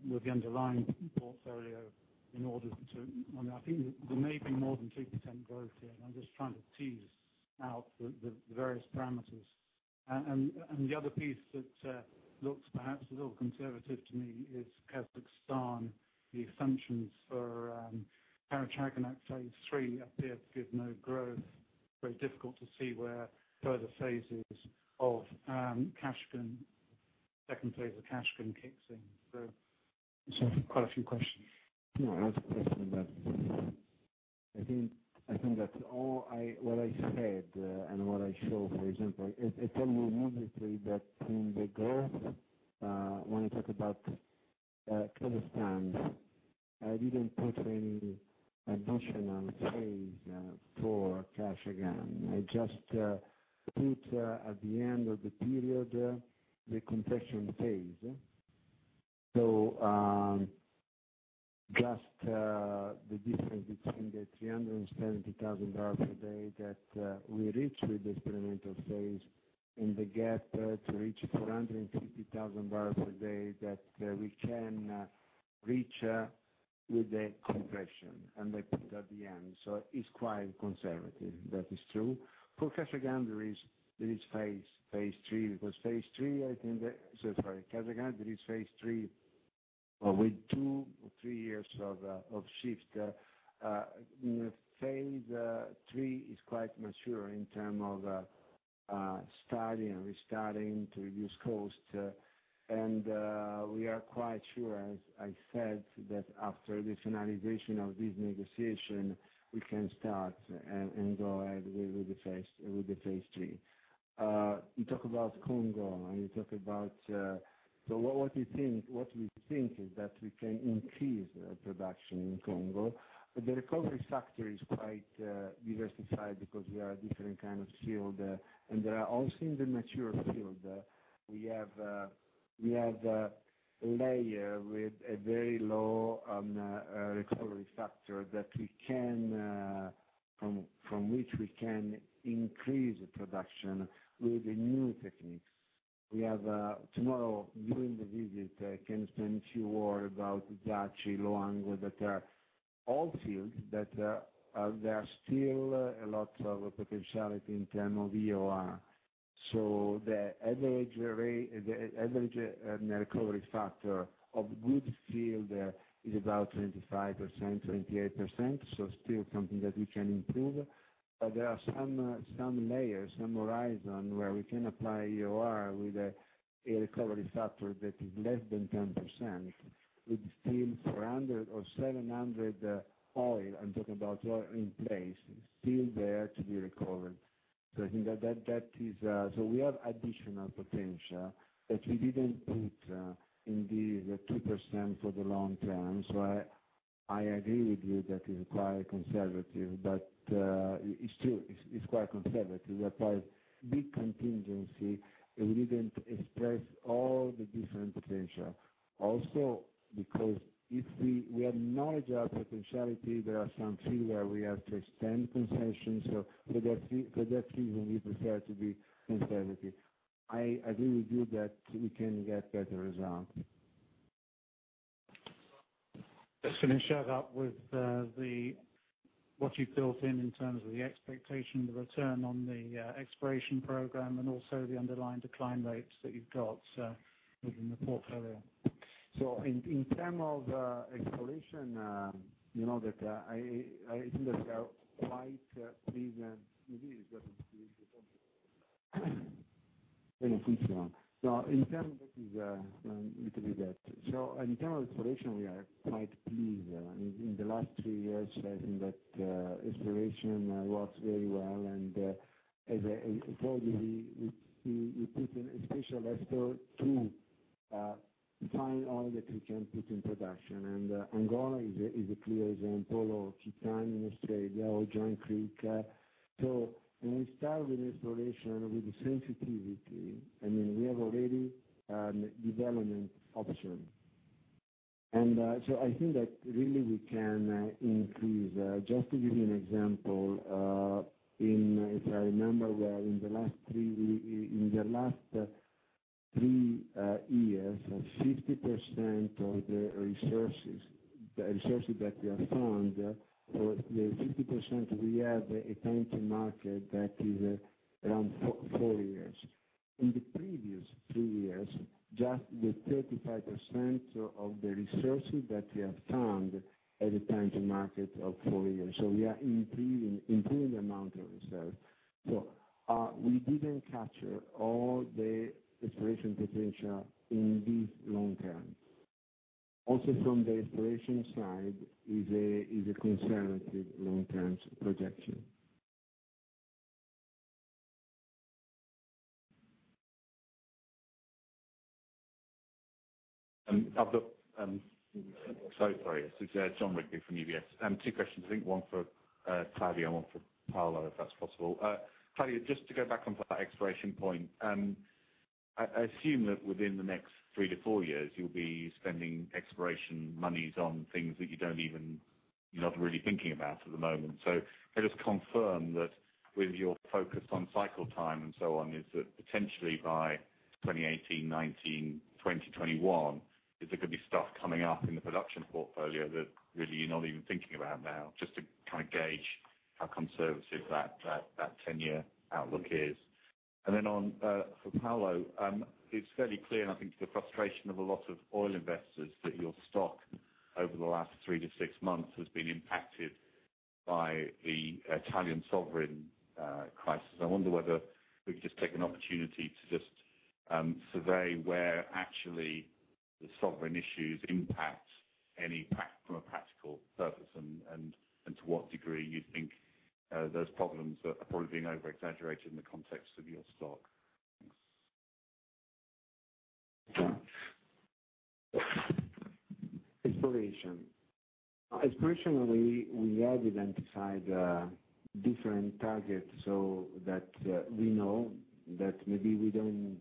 with the underlying portfolio in order to, I mean, I think we're making more than 2% growth here. I'm just trying to tease out the various parameters. The other piece that looks perhaps a little conservative to me is Kazakhstan, the assumptions for Paratagonite Phase 3 appear to give no growth. It is very difficult to see where further phases of the second phase of the cash gun kicks in. I have quite a few questions. I was questioning about, I think that all I said and what I showed recently, it tells me immediately that in the growth, when I talk about Kazakhstan, I didn't put any emotional phase for cash again. I just put at the end of the period, the conversion phase. Just the difference between the 370,000 per day that we reach with the experimental phase and the gap to reach 450,000 per day that we can reach with the conversion. That's at the end. It's quite conservative. That is true. For Kazakhstan, there is phase three because phase three, I think, Kazakhstan, there is phase three with two or three years of shift. Phase three is quite mature in terms of starting and restarting to reduce costs. We are quite sure, as I said, that after the finalization of this negotiation, we can start and go ahead with the phase three. You talk about Congo and you talk about what we think is that we can increase production in Congo. The recovery factor is quite diversified because we are a different kind of field. Also, in the mature field, we have a layer with a very low recovery factor from which we can increase the production with new techniques. Tomorrow, during the visit, I can explain to you more about Gachi, Luango, that are all fields that still have a lot of potentiality in terms of EOA. The average recovery factor of good field is about 25%, 28%. Still something that we can improve. There are some layers, some horizon where we can apply EOR with a recovery factor that is less than 10%. It's still 400 or 700 oil. I'm talking about oil in place. It's still there to be recovered. I think that is, we have additional potential that we didn't need in the 3% for the long term. I agree with you that it's quite conservative, but it's true. It's quite conservative. We have quite a big contingency. We didn't express all the different potential. Also, because if we have knowledge of potentiality, there are some fields where we have to extend concessions. For that reason, we prefer to be conservative. I agree with you that we can get better results. Just to finish up with what you've built in in terms of the expectation, the return on the exploration program, and also the underlying decline rates that you've got within the portfolio. In terms of exploration, we are quite pleased. In the last three years, I think that exploration works very well. We probably see a potential effort to find all the critical people in production, and Angola is a clear example. Kitan in Australia or Joint Creek. When we start with the exploration with the sensitivity, I mean, we have already a development option. I think that really we can increase. Just to give you an example, if I remember well, in the last three years, 50% of the resources that we have found, for the 50%, we have a time to market that is around four years. In the previous three years, just with 35% of the resources that we have found at a time to market of four years. We are increasing the amount of research. We didn't capture all the exploration potential in this long term. Also, from the exploration side, it's a conservative long-term projection. I'm sorry, Claudio. This is Jon Rigby from UBS. Two questions, I think one for Claudio and one for Paolo, if that's possible. Claudio, just to go back on for that exploration point, I assume that within the next three to four years, you'll be spending exploration monies on things that you don't even, you're not really thinking about at the moment. Let us confirm that with your focus on cycle time and so on, is that potentially by 2018, 2019, 2021, is there going to be stuff coming up in the production portfolio that really you're not even thinking about now, just to kind of gauge how conservative that 10-year outlook is. On for Paolo, it's fairly clear, and I think the frustration of a lot of oil investors that your stock over the last three to six months has been impacted by the Italian sovereign crisis. I wonder whether we could just take an opportunity to just survey where actually the sovereign issues impact Eni from a practical purpose and to what degree you think those problems are probably being over-exaggerated in the context of your stock. Expiration only when you added and decide different targets so that we know that maybe we don't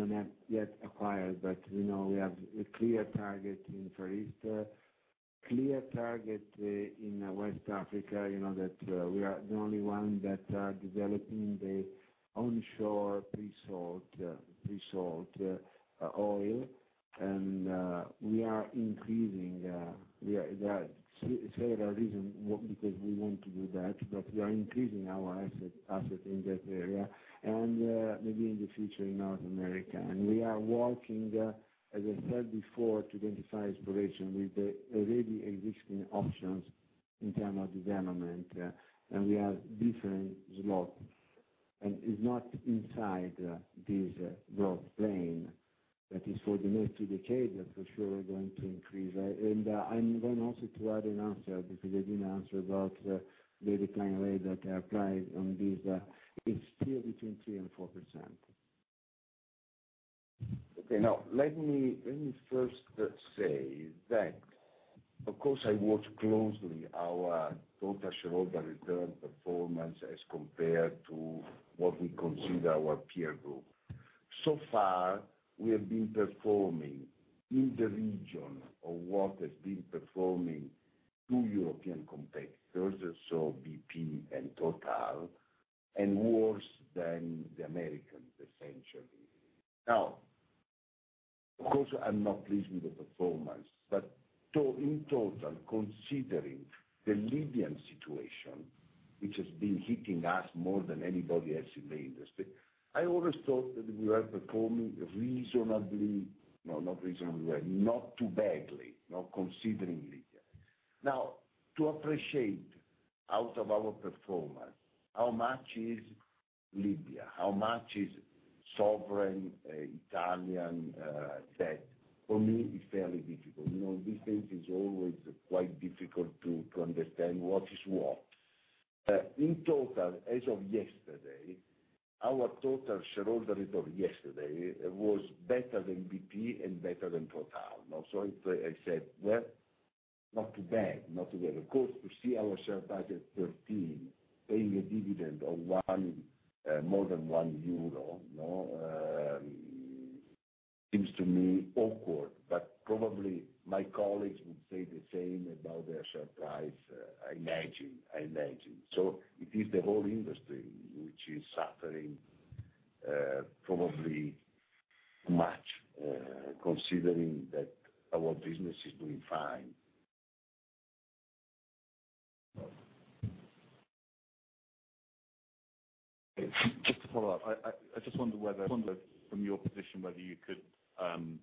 have yet acquired, but we know we have a clear target in the Far East, a clear target in West Africa. You know that we are the only ones that are developing the onshore pre-sold oil, and we are increasing. There are several reasons because we want to do that, but we are increasing our assets in that area and maybe in the future in North America. We are working, as I said before, to identify expiration with the already existing options in terms of development. We have different slots, and it's not inside this growth plan. That is for the next two decades that we're sure we're going to increase. I'm going to also add an answer because I didn't answer about the decline rate that I applied on this. It's still between 3% and 4%. Okay. Now, let me first say that, of course, I watch closely our total shareholder return performance as compared to what we consider our peer group. So far, we have been performing in the region of what has been performing two European competitors, so BP and Total, and worse than the Americans, essentially. Now, of course, I'm not pleased with the performance. In total, considering the Libyan situation, which has been hitting us more than anybody else in the industry, I always thought that we were performing reasonably, no, not reasonably, not too badly, not considering Libya. Now, to appreciate out of our performance, how much is Libya? How much is sovereign Italian debt? For me, it's fairly difficult. You know, these things are always quite difficult to understand what is what. In total, as of yesterday, our total shareholder return yesterday was better than BP and better than Total. I said, not too bad, not too bad. Of course, to see our share price at €13 paying a dividend of more than €1, seems to me awkward. Probably my colleagues would say the same about their share price. I imagine, I imagine. It is the whole industry which is suffering probably too much considering that our business is doing fine. I just wonder whether from your position, whether you could kind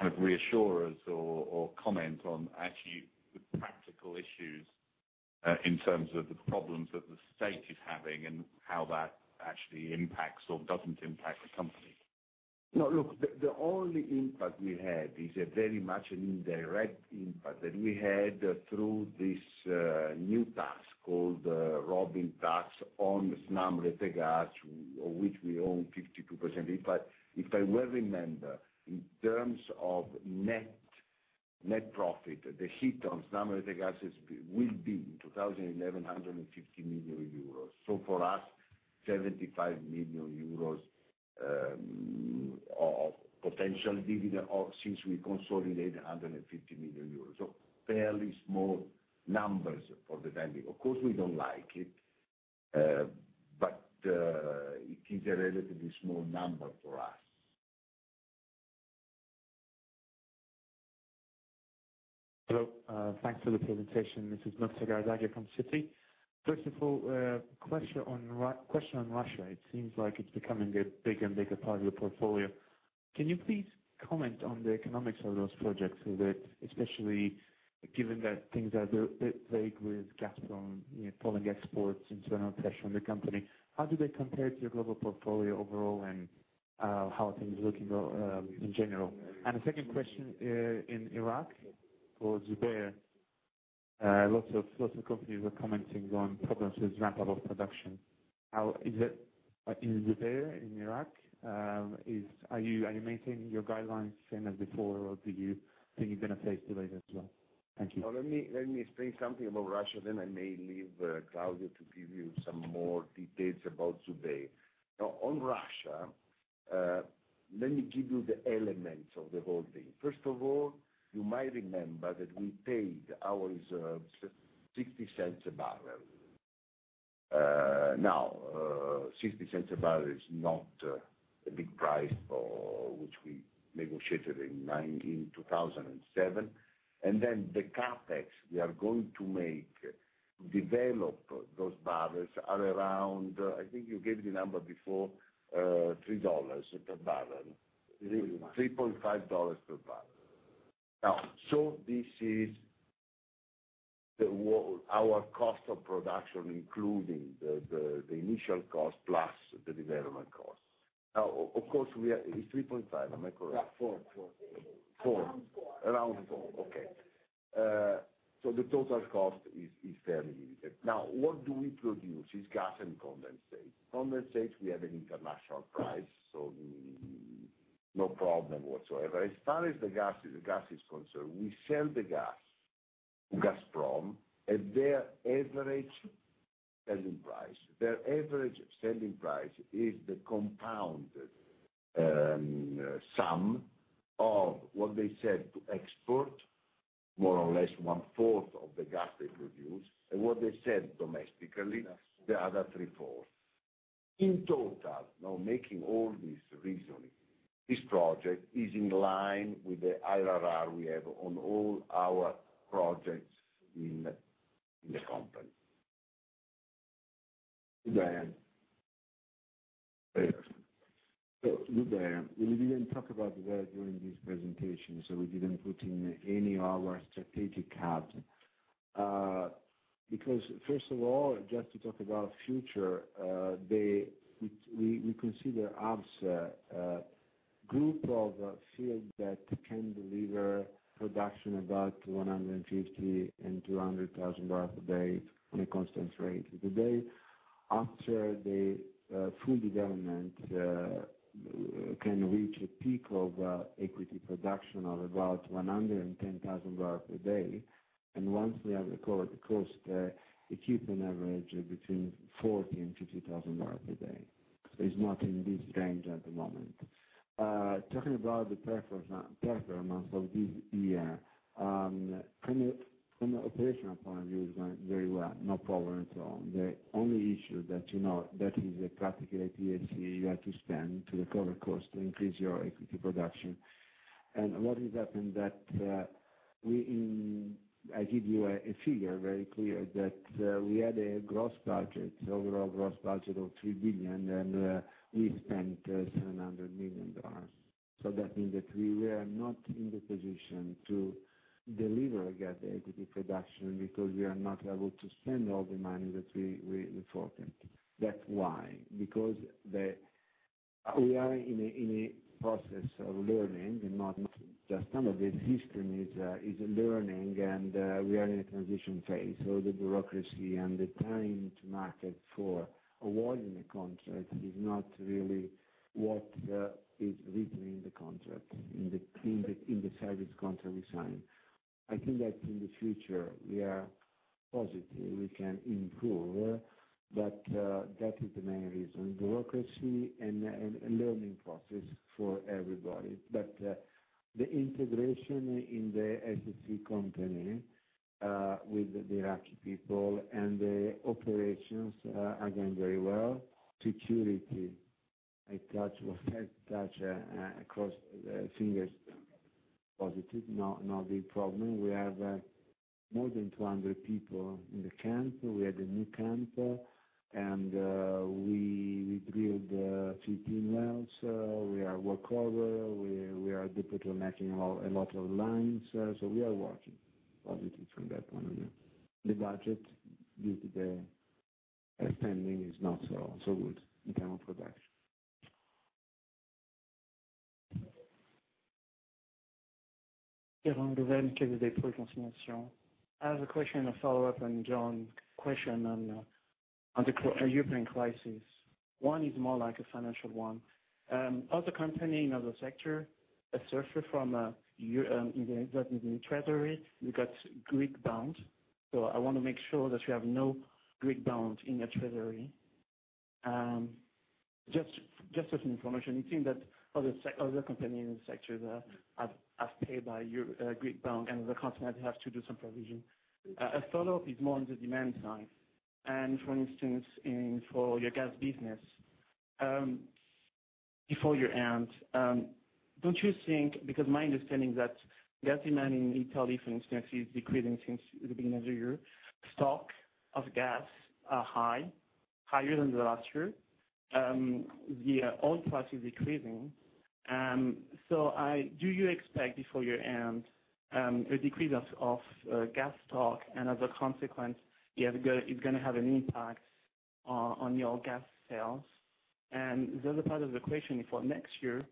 of reassure us or comment on actually the practical issues in terms of the problems that the state is having and how that actually impacts or doesn't impact the company. No, look, the only impact we had is very much an indirect impact that we had through this new task called Robin Task on SNAM Rete Gas, which we own 52%. If I remember, in terms of net profit, the hit on SNAM Rete Gas will be in 2011, €150 million. For us, €75 million of potential dividend since we consolidated €150 million. Fairly small numbers for the timing. Of course, we don't like it, but it is a relatively small number for us. Thank you for the presentation, Mrs. Mukhtar Gargaghi from Citi. First of all, question on Russia. It seems like it's becoming a bigger and bigger part of the portfolio. Can you please comment on the economics of those projects, especially given that things are very vague with Gazprom pulling exports, internal pressure on the company? How do they compare to your global portfolio overall and how are things looking in general? A second question in Iraq or Zubair. Lots of companies are commenting on problems with ramp-up of production. How is it in Zubair in Iraq? Are you maintaining your guidelines the same as before or do you think you're going to face delays as well? Thank you. Let me explain something about Russia. I may leave Claudio to give you some more details about Zubair. Now, on Russia, let me give you the elements of the whole thing. First of all, you might remember that we paid our reserves 0.60 a barrel. Now, 0.60 a barrel is not a big price for which we negotiated in 2007. The CapEx we are going to make to develop those barrels are around, I think you gave the number before, EUR 3 per barrel. It's EUR 3.5 per barrel. This is our cost of production, including the initial cost plus the development cost. Of course, it's EUR 3.5. I'm going to call that 4. 4. 4. Around 4. Okay. The total cost is fairly limited. What do we produce? It's gas and condensate. Condensate, we have an international price, so no problem whatsoever. As far as the gas is concerned, we sell the gas to Gazprom at their average selling price. Their average selling price is the compound sum of what they sell to export, more or less one-fourth of the gas they produce, and what they sell domestically, the other three-fourths. In total, now making all this reasoning, this project is in line with the IRR we have on all our projects in... We didn't talk about the word during this presentation. We didn't put in any of our strategic cards. First of all, just to talk about future, we consider us a group of fields that can deliver production about 150,000 and 200,000 barrels a day on a constant rate. Today, after the full development, can reach a peak of equity production of about 110,000 barrels per day. Once we have the cost, it keeps an average between 40,000 and 50,000 barrels per day. It's not in this range at the moment. Talking about the performance of this year, from an operational point of view, it's going very well. No problem at all. The only issue that you know, that is the practical APHC you have to spend to recover cost to increase your equity production. What has happened is that I give you a figure very clear that we had a gross budget, the overall gross budget of 3 billion, and we spent EUR 700 million. That means that we were not in the position to deliver again the equity production because we are not able to spend all the money that we reported. That's why. We are in a process of learning and not just some of the history is learning, and we are in a transition phase. The bureaucracy and the time to market for awarding a contract is not really what is written in the contract, in the service contract we signed. I think that in the future, we are positive we can improve, but that is the main reason. Bureaucracy and learning process for everybody. The integration in the S3 company with the Iraqi people and the operations are going very well. Security, I touch across the fingers, positive. Not a big problem. We have more than 200 people in the camp. We had a new camp, and we drilled 15 wells. We are work order. We are depot-making a lot of lines. We are working positive from that point of view. The budget due to the spending is not so good in terms of production. I have one other very interesting point of question. I have a question and a follow-up on John's question on the European crisis. One is more like a financial one. As a company in another sector, aside from the treasury, we've got Greek bond. I want to make sure that we have no Greek bond in your treasury. Just as an information, it seems that other companies in the sector have paid by Greek bond, and other customers have to do some provision. A follow-up is more on the demand side. For instance, for your gas business, before year end, don't you think, because my understanding is that gas demand in Italy, for instance, is decreasing since the beginning of the year. The stock of gas is high, higher than last year. The oil price is decreasing. Do you expect before year end a decrease of gas stock, and as a consequence, it's going to have an impact on your gas sales? The other part of the question is for next year,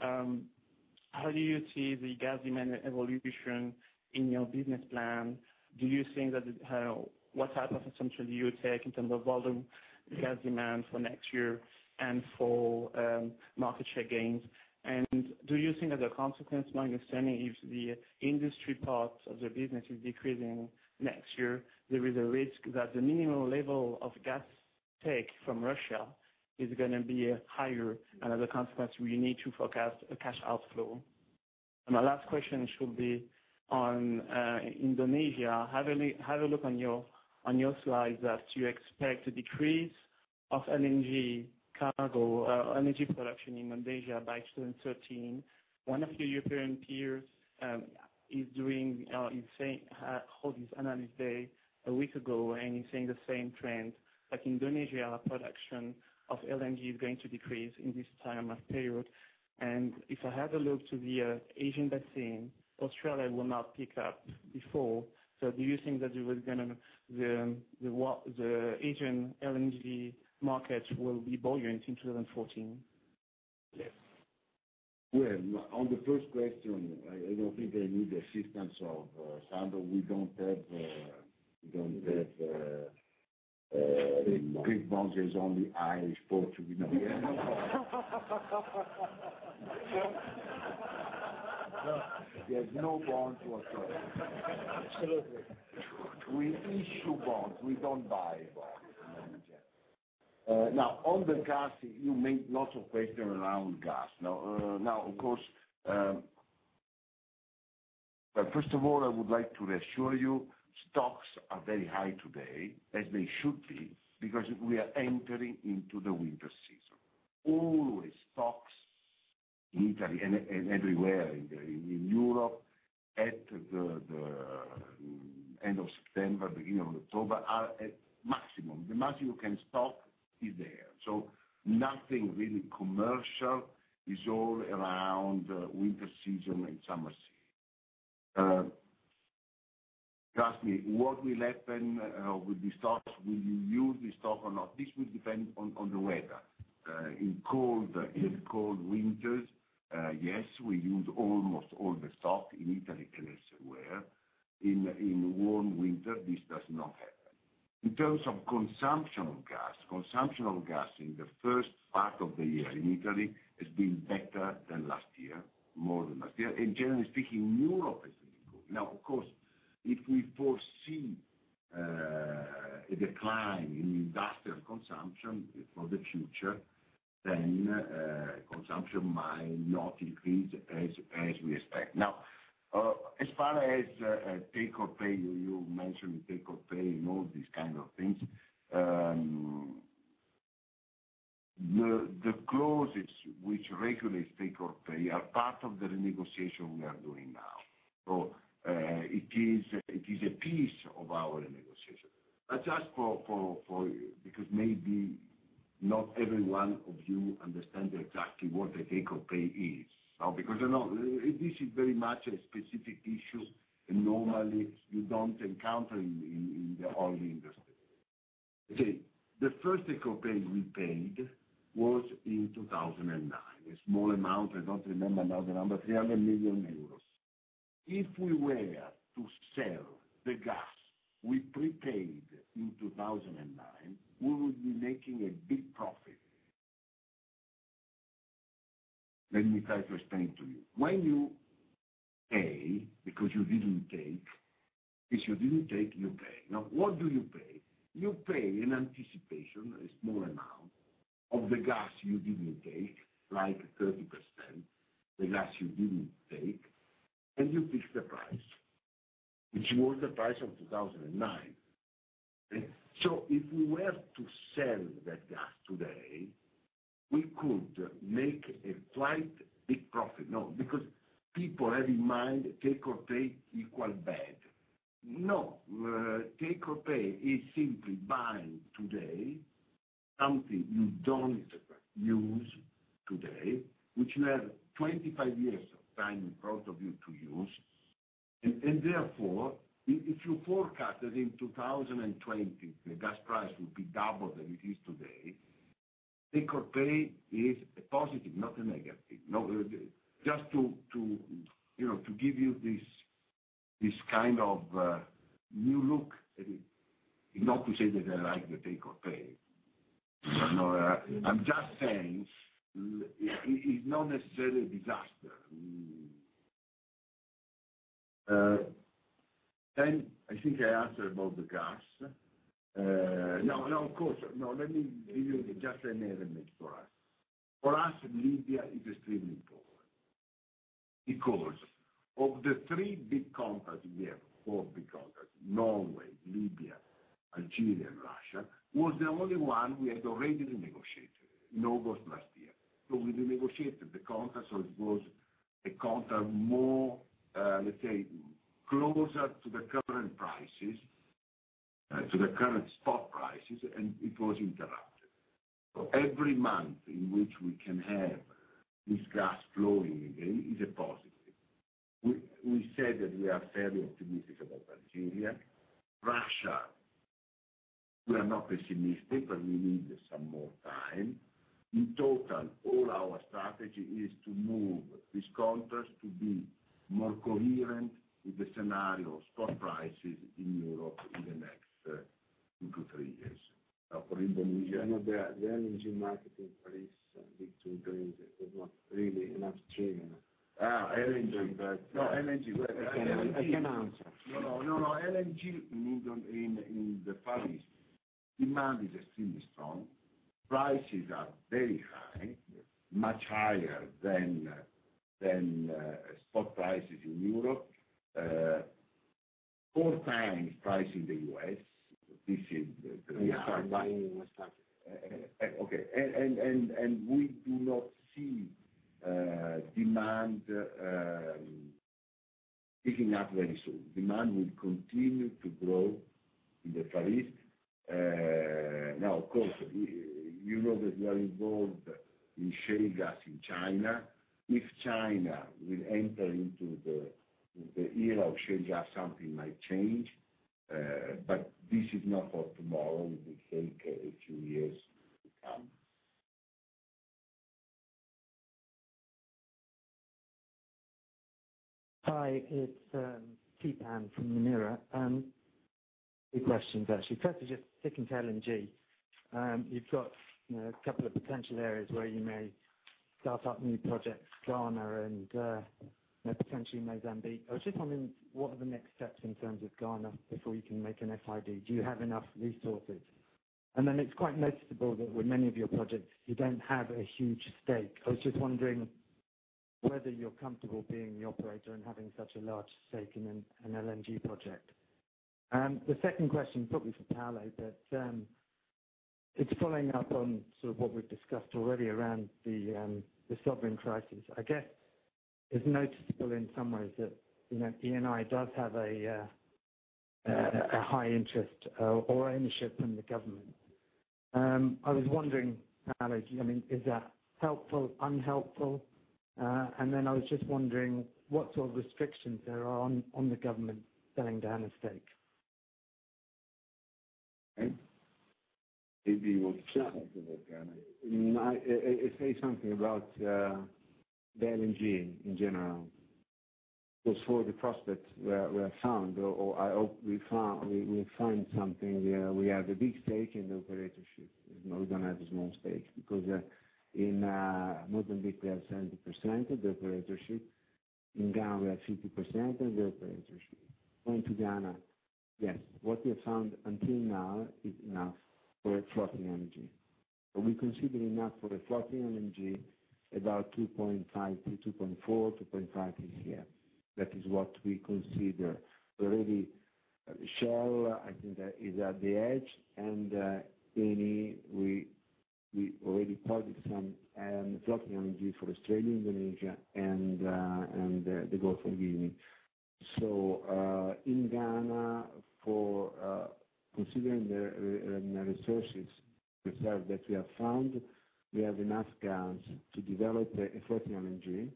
how do you see the gas demand evolution in your business plan? Do you think that what type of assumption do you take in terms of volume gas demand for next year and for market share gains? Do you think as a consequence, my understanding is the industry part of the business is decreasing next year. There is a risk that the minimum level of gas take from Russia is going to be higher, and as a consequence, we need to forecast a cash outflow. My last question should be on Indonesia. I have a look on your slides that you expect a decrease of LNG cargo or energy production in Indonesia by 2013. One of your European peers is saying, holding his analysis day a week ago, and he's saying the same trend. In Indonesia, our production of LNG is going to decrease in this time of period. If I had to look to the Asian basin, Australia will not pick up before. Do you think that you were going to the Asian LNG market will be buoyant in 2014? On the first question, I don't think I need assistance of Sandro. We don't have the Greek boundaries only I spoke to. Sure. No, there is no bond to us. We issue bonds. We don't buy bonds. Now, on the gas, you made lots of questions around gas. Of course, first of all, I would like to reassure you, stocks are very high today as they should be because we are entering into the winter season. Always, stocks in Italy and everywhere in Europe at the end of September, beginning of October are at maximum. The maximum you can stock is there. Nothing really commercial is all around winter season and summer season. Trust me, what will happen with the stocks, will you use the stock or not? This will depend on the weather. In cold winters, yes, we use almost all the stock in Italy and elsewhere. In warm winters, this does not happen. In terms of consumption of gas, consumption of gas in the first part of the year in Italy has been better than last year, more than last year. Generally speaking, in Europe it has been good. Of course, if we foresee a decline in industrial consumption for the future, then consumption might not increase as we expect. As far as take or pay, you mentioned take or pay in all these kinds of things, the clauses which regulate take or pay are part of the renegotiation we are doing now. It is a piece of our renegotiation. That's just for because maybe not every one of you understands exactly what the take or pay is. I know this is very much a specific issue and normally you don't encounter it in the oil industry. The first take or pay we paid was in 2009. A small amount, I don't remember now the number, €300 million. If we were to sell the gas we prepaid in 2009, we would be making a big profit. Let me try to explain to you. When you pay, because you didn't take, if you didn't take, you pay. What do you pay? You pay in anticipation a small amount of the gas you didn't take, like 30%, the gas you didn't take, and you fix the price, which was the price of 2009. If we were to sell that gas today, we could make a quite big profit. No, because people have in mind take or pay equals bad. No, take or pay is simply buying today something you don't use today, which you have 25 years of time in front of you to use. Therefore, if you forecast that in 2020, the gas price would be double than it is today, take or pay is a positive, not a negative. Just to give you this kind of new look at it. Not to say that I like the take or pay. I'm just saying it's not necessarily a disaster. I think I answered about the gas. Now, of course, let me give you just an element for us. For us, Libya is extremely important because of the three big contracts we have, four big contracts: Norway, Libya, Algeria, and Russia was the only one we had already renegotiated in August last year. We renegotiated the contract so it was a contract more, let's say, closer to the current prices, to the current stock prices, and it was interrupted. Every month in which we can have this gas flowing is a positive. We said that we are fairly optimistic about Algeria. Russia, we are not pessimistic, but we need some more time. In total, all our strategy is to move this contract to be more coherent in the scenario of stock prices in Europe even next two to three years. Now, for Indonesia. I know the LNG market in Paris needs to improve, but not really enough chain. LNG. No, LNG. No, no, no, no. LNG in the Far East, demand is extremely strong. Prices are very high, much higher than spot prices in Europe, four times prices in the U.S. This is the reason. Yeah, I'm buying it myself. Okay. We do not see demand picking up very soon. Demand will continue to grow in the Far East. Now, of course, you know that we are involved in sharing gas in China. If China will enter into the era of sharing gas, something might change. This is not for tomorrow. We take a few years. Hi, it's T-Pan from Unira. A few questions, actually. First, just sticking to LNG. You've got a couple of potential areas where you may start up new projects, Ghana and potentially Mozambique. I was just wondering what are the next steps in terms of Ghana before you can make an FID? Do you have enough resources? It's quite noticeable that with many of your projects, you don't have a huge stake. I was just wondering whether you're comfortable being the operator and having such a large stake in an LNG project. The second question is probably for Talo, but it's following up on sort of what we've discussed already around the sovereign crisis. I guess it's noticeable in some ways that Eni does have a high interest or ownership from the government. I was wondering, Talo, is that helpful, unhelpful? I was just wondering what sort of restrictions there are on the government selling down a stake? Maybe you want to talk about that. I say something about LNG in general. For the prospects we have found, or I hope we have found something, we have a big stake in the operatorship. We don't have a small stake because in Mozambique, they have 70% of the operatorship. In Ghana, we have 50% of the operatorship. Going to Ghana, yes. What we have found until now is enough for a trucking energy. We're considering enough for a trucking energy about 2.5 to 2.4, 2.5 this year. That is what we consider. Already, Shell, I think that is at the edge. Eni, we already produced some trucking energy for Australia, Indonesia, and the Gulf of Guinea. In Ghana, considering the resources that we have found, we have enough gas to develop a floating LNG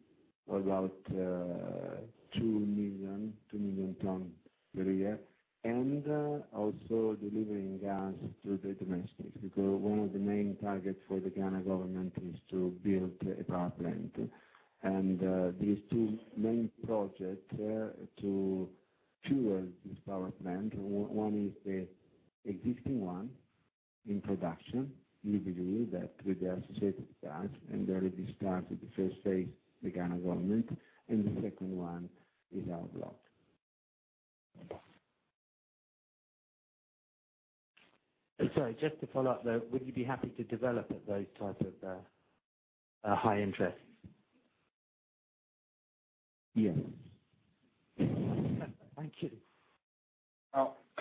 of about 2 million, 2 million tons per year, and also delivering gas to the domestic because one of the main targets for the Ghana government is to build a power plant. These two main projects are to fuel this power plant. One is an existing one in production, in the BDE that they are associated with us, and they already started the first phase with the Ghana government. The second one is our block. Sorry, just to follow up there, would you be happy to develop those types of high interests? Yeah. Thank you.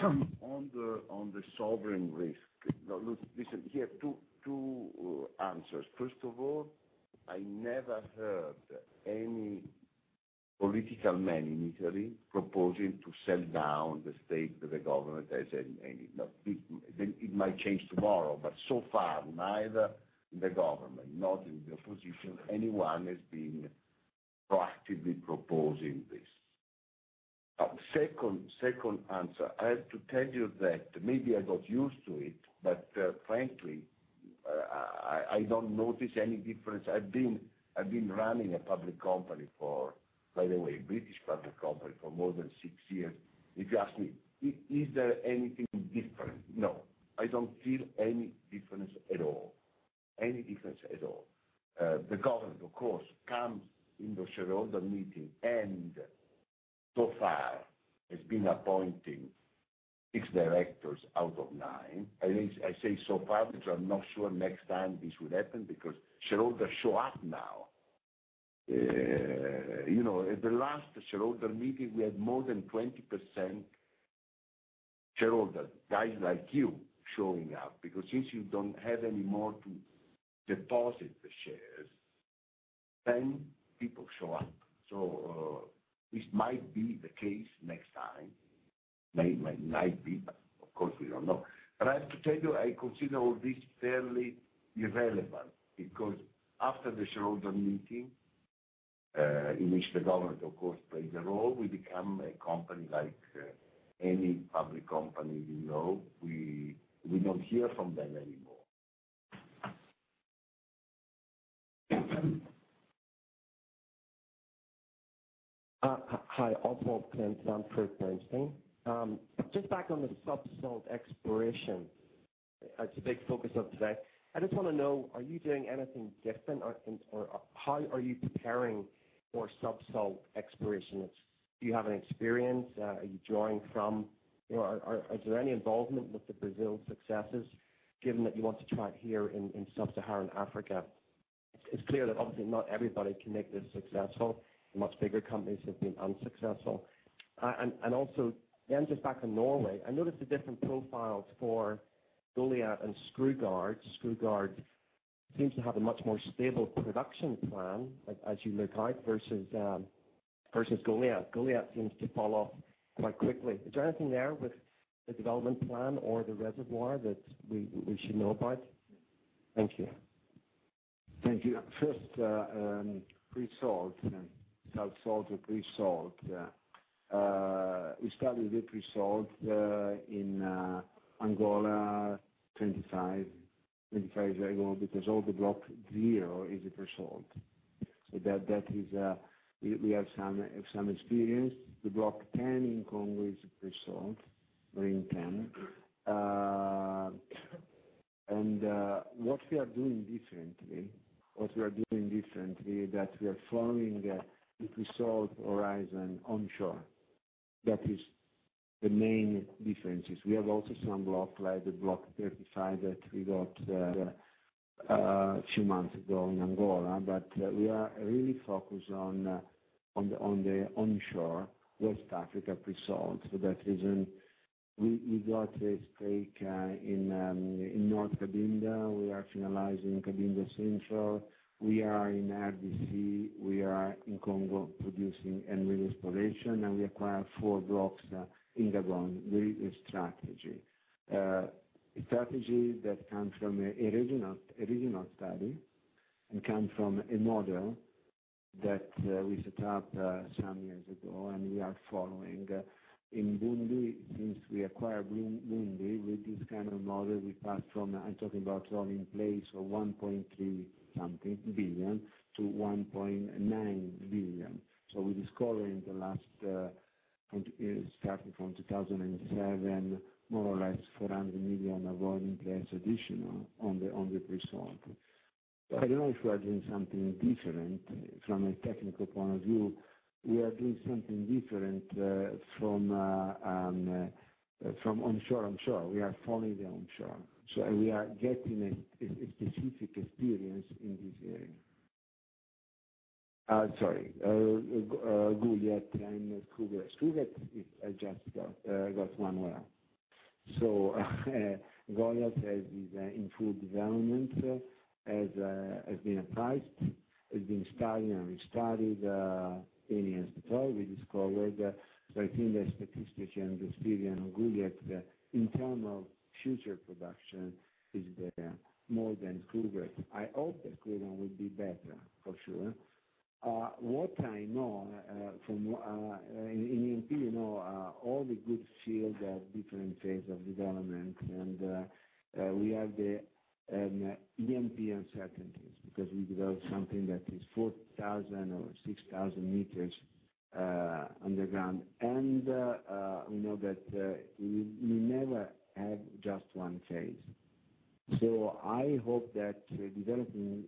On the sovereign risk, listen, here are two answers. First of all, I never heard any political man in Italy proposing to sell down the stake of the government as Eni. Now, it might change tomorrow, but so far, neither in the government, nor in the opposition, anyone has been proactively proposing this. Second answer, I have to tell you that maybe I got used to it, but frankly, I don't notice any difference. I've been running a public company for, by the way, a British public company for more than six years. If you ask me, is there anything different? No, I don't feel any difference at all. The government, of course, comes in the shareholder meeting and so far has been appointing six directors out of nine. I say so far, but I'm not sure next time this will happen because shareholders show up now. At the last shareholder meeting, we had more than 20% shareholders, guys like you, showing up because since you don't have any more to deposit the shares, then people show up. It might be the case next time. It might not be, but of course, we don't know. I have to tell you, I consider all this fairly irrelevant because after the shareholder meeting, in which the government, of course, plays a role, we become a company like any public company in Europe. We don't hear from them anymore. Hi, Oswald Pantone from Princeton. Just back on the subsoil exploration, it's a big focus of today. I just want to know, are you doing anything different or how are you preparing for subsoil exploration? Do you have any experience? Are you drawing from? Is there any involvement with the Brazil successes given that you want to try it here in Sub-Saharan Africa? It's clear that obviously not everybody can make this successful. Much bigger companies have been unsuccessful. Also, again, just back in Norway, I noticed the different profiles for Goliat and Skrugard. Skrugard seems to have a much more stable production plan as you look out versus Goliat. Goliat seems to fall off quite quickly. Is there anything there with the development plan or the reservoir that we should know about? Thank you. Thank you. First, pre-salt, subsoil to pre-salt. It's probably a bit pre-salt in Angola 25 years ago because all the Block 0 is pre-salt. That is, we have some experience. The Block 10 in Republic of Congo is pre-salt, Marine 10. What we are doing differently is that we are following the pre-salt horizon onshore. That is the main difference. We have also some blocks like Block 35 that we got a few months ago in Angola, but we are really focused on the onshore West Africa pre-salt. That is, we got a stake in North Cabinda. We are finalizing Cabinda Central. We are in Democratic Republic of Congo. We are in Republic of Congo producing and re-exploration. We acquired four blocks in Gabon. The strategy, a strategy that comes from a regional study and comes from a model that we set up some years ago, and we are following. In Bundi, since we acquired Bundi, with this kind of model, we passed from, I'm talking about oil in place of 1.3 something billion to 1.9 billion. We discovered in the last, starting from 2007, more or less 400 million of oil in place additional on the pre-salt. I don't know if we are doing something different from a technical point of view. We are doing something different from onshore. We are following the onshore. We are getting a specific experience in this area. Sorry. I'll do yet, I'm Skubet. Skubet, I just got one way. Goliath has improved development, has been approached, has been studied and restudied. Eni as the third we discovered. I think the statistics and the experience of Goliath, the internal future production is there more than Skubet. I hope that Skubet would be better for sure. What I know from E&P, you know all the good shield of different phases of development, and we have the E&P uncertainties because we developed something that is 4,000 or 6,000 meters underground. We know that we never have just one phase. I hope that developing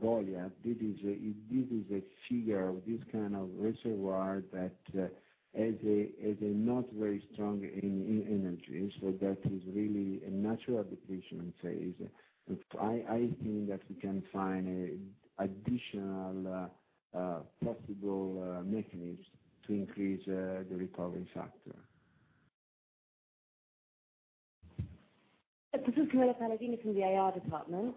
Goliath, this is a figure of this kind of reservoir that is not very strong in energy. That is really a natural depletion phase. I think that we can find an additional possible mechanism to increase the recovery factor. This is Gloria Palladini from the IR department.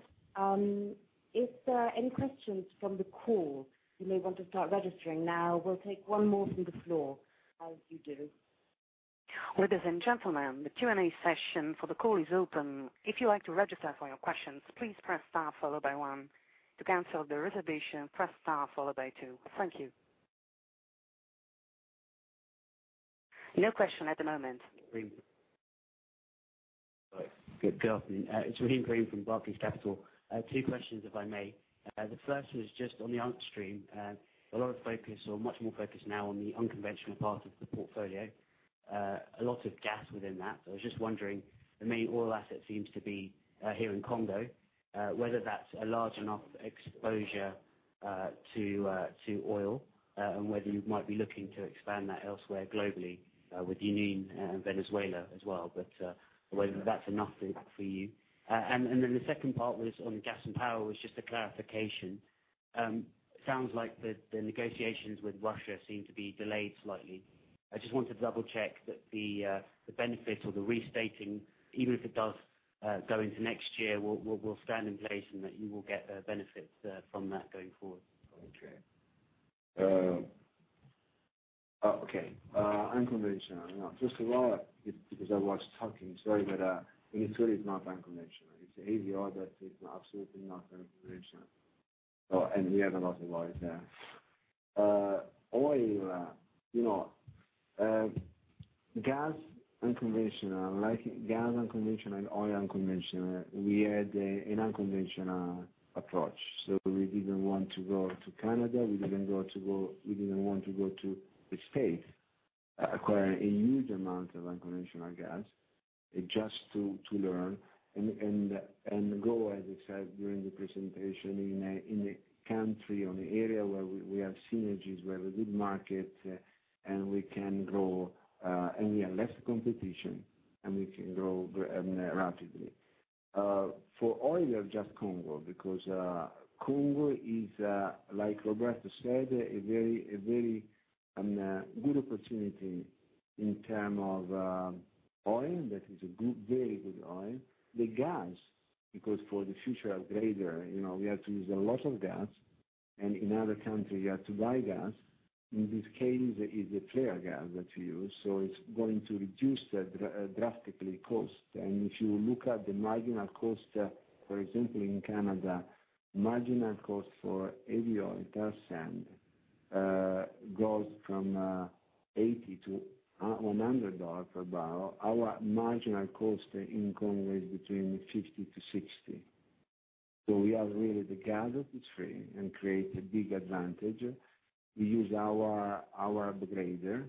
If there are any questions from the call, you may want to start registering now. We'll take one more from the floor as you do. Ladies and gentlemen, the Q&A session for the call is open. If you'd like to register for your questions, please press star followed by one. To cancel the reservation, press star followed by two. Thank you. No question at the moment. Good afternoon. It's Rahim Karim from Barclays Capital. Two questions, if I may. The first one is just on the upstream. A lot of focus or much more focus now on the unconventional part of the portfolio. A lot of gas within that. I was just wondering, all assets seem to be here in Republic of Congo, whether that's a large enough exposure to oil and whether you might be looking to expand that elsewhere globally with the Union and Venezuela as well, whether that's enough for you. The second part was on gas and power, just a clarification. It sounds like the negotiations with Russia seem to be delayed slightly. I just want to double-check that the benefits or the restating, even if it does go into next year, will stand in place and that you will get benefits from that going forward. Okay. Okay. Unconventional. Just to wrap up, because I was talking too very good, and it's really not unconventional. It's AVR, but it's absolutely not unconventional. You have a lot about it. Oil, you know, gas unconventional, like gas unconventional and oil unconventional, we had an unconventional approach. We didn't want to go to Canada. We didn't want to go to the States acquiring a huge amount of unconventional gas just to learn. As I said during the presentation, in a country or an area where we have synergies, where we did market, and we can grow, and we have less competition, and we can grow rapidly. For oil, just Congo, because Congo is, like Roberto said, a very, very good opportunity in terms of oil. That is a very good oil. The gas, because for the future upgrader, you know we have to use a lot of gas. In other countries, you have to buy gas. In this case, it is a clear gas that we use. It's going to reduce the drastically cost. If you look at the marginal cost, for example, in Canada, marginal cost for AVR in % goes from 80 to EUR 100 per barrel. Our marginal cost in Congo is between 50 to 60. We have really the gas that is free and creates a big advantage. We use our upgrader.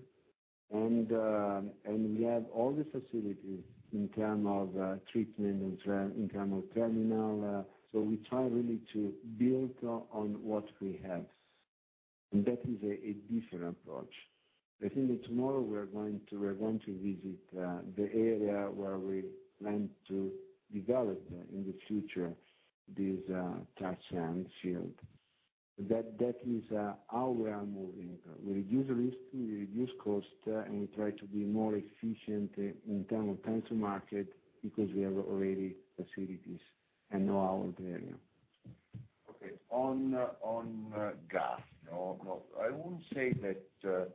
We have all the facilities in terms of treatment and in terms of terminal. We try really to build on what we have. That is a different approach. I think that tomorrow we're going to visit the area where we plan to develop in the future this Touchland field. That means how we are moving. We reduce risk, we reduce cost, and we try to be more efficient in terms of pencil market because we have already facilities and know all the area. Okay. On gas, I won't say that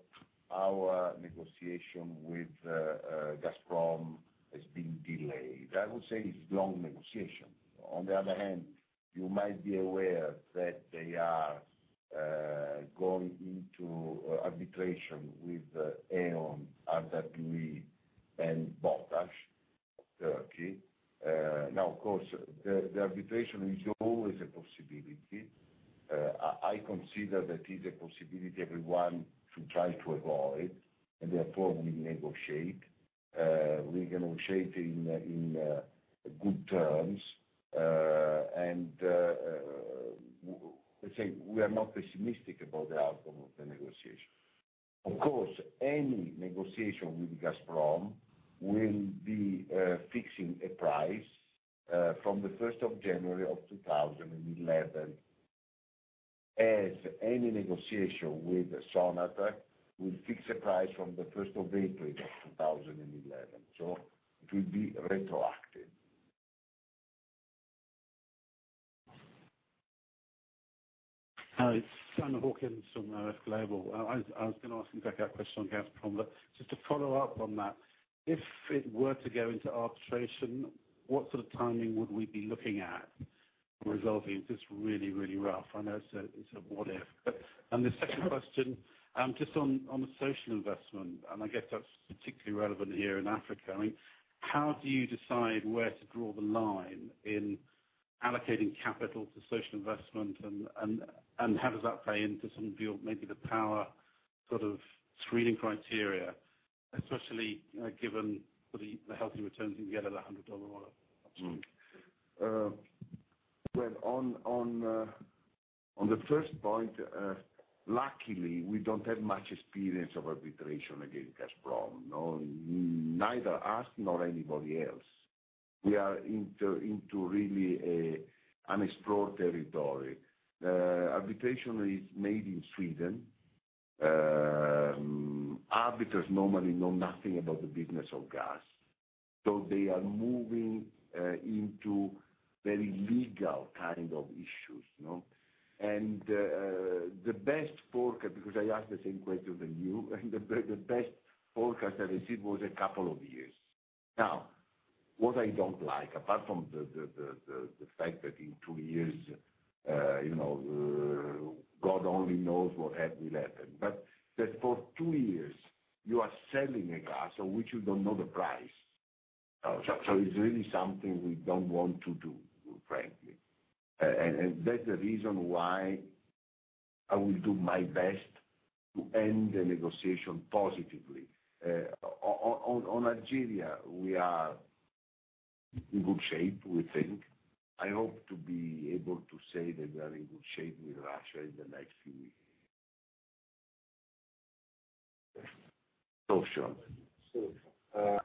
our negotiation with Gazprom has been delayed. I would say it's a long negotiation. On the other hand, you might be aware that they are going into arbitration with AEON, RWE, and BOTAG, Turkey. Of course, the arbitration is always a possibility. I consider that it is a possibility everyone should try to avoid and they are probably negotiate. We can negotiate in good terms. Let's say we are not pessimistic about the outcome of the negotiation. Of course, any negotiation with Gazprom will be fixing a price from January 1, 2011 as any negotiation with Sonatrach will fix a price from April 1, 2011. It will be retroactive. Hi, it's Stan Hawkins from RF Global. I was going to ask you to take that question on Gazprom, but just to follow up on that, if it were to go into arbitration, what sort of timing would we be looking at for resolving? It's really, really rough. I know it's a what-if. The second question, just on social investment, and I guess that's particularly relevant here in Africa. I mean, how do you decide where to draw the line in allocating capital to social investment? How does that play into some of your maybe the power sort of screening criteria, especially given the healthy returns you can get at EUR 100? On the first point, luckily, we don't have much experience of arbitration against Gazprom. Neither us nor anybody else. We are into really unexplored territory. Arbitration is made in Sweden. Arbiters normally know nothing about the business of gas, so they are moving into very legal kind of issues. The best forecast, because I asked the same question as you, and the best forecast I received was a couple of years. What I don't like, apart from the fact that in two years, you know God only knows what happened in Lapland, is that just for two years, you are selling a gas of which you don't know the price. It's really something we don't want to do, frankly. That's the reason why I will do my best to end the negotiation positively. On Algeria, we are in good shape, we think. I hope to be able to say that we are in good shape with Russia in the next few weeks. Oh, sure.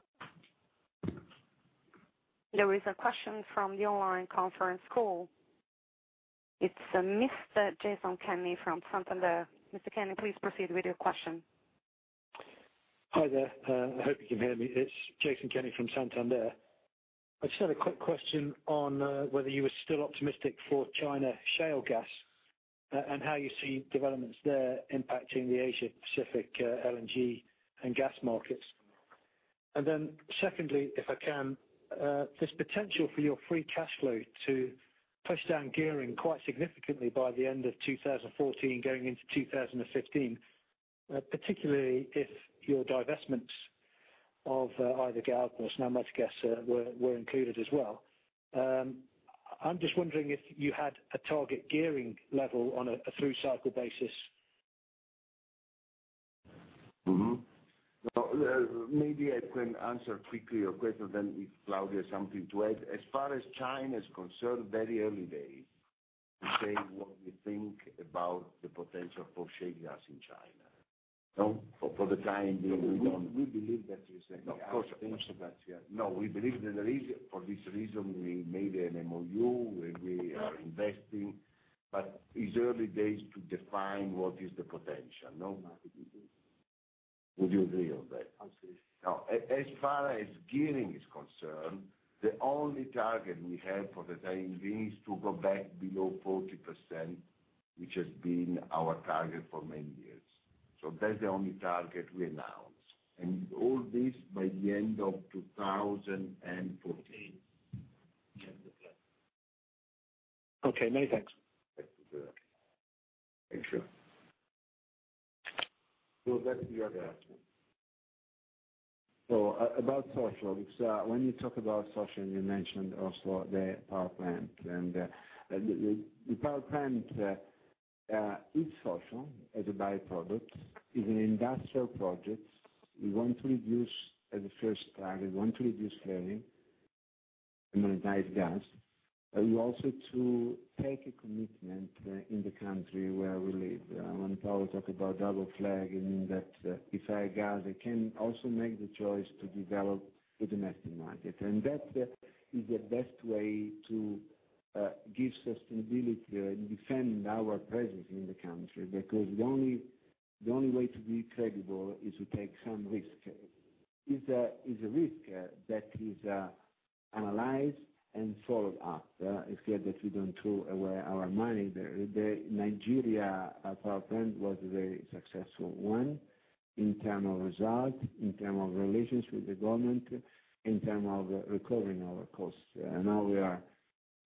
There is a question from the online conference call. It's Mr. Jason Kenny from Santander. Mr. Kenny, please proceed with your question. Hi there. I hope you can hear me. It's Jason Kenny from Santander. I just had a quick question on whether you were still optimistic for China Shell gas and how you see developments there impacting the Asia-Pacific LNG and gas markets. Secondly, if I can, there's potential for your free cash flow to push down gearing quite significantly by the end of 2014, going into 2015, particularly if your divestments of either GALP or SNAM were included as well. I'm just wondering if you had a target gearing level on a through-cycle basis. Maybe I can answer quickly your question, then if Claudio has something to add. As far as China is concerned, very early days to say what we think about the potential for shale gas in China. No, for the time being, we don't. We believe that is a cost. No, of course. No, we believe that there is. For this reason, we made an MOU and we are investing, but it's early days to define what is the potential. Would you agree on that? Absolutely. Now, as far as gearing is concerned, the only target we have for the time being is to go back below 40%, which has been our target for many years. That's the only target we announced, and all this by the end of 2014. Okay, no, thanks. Excellent. Excellent, that's the other aspect. About social, when you talk about social, you mentioned also the power plant. The power plant is social as a byproduct. It's an industrial project. We want to reduce, as a first plan, we want to reduce flaring and monetize gas. We also have to take a commitment in the country where we live. When Paolo talked about double flagging, that if I go, I can also make the choice to develop the domestic market. That is the best way to give sustainability and defend our presence in the country because the only way to be credible is to take some risk. It's a risk that is analyzed and followed up. It's clear that we don't throw away our money. The Nigeria power plant was a very successful one in terms of result, in terms of relations with the government, in terms of recovering our costs. Now we are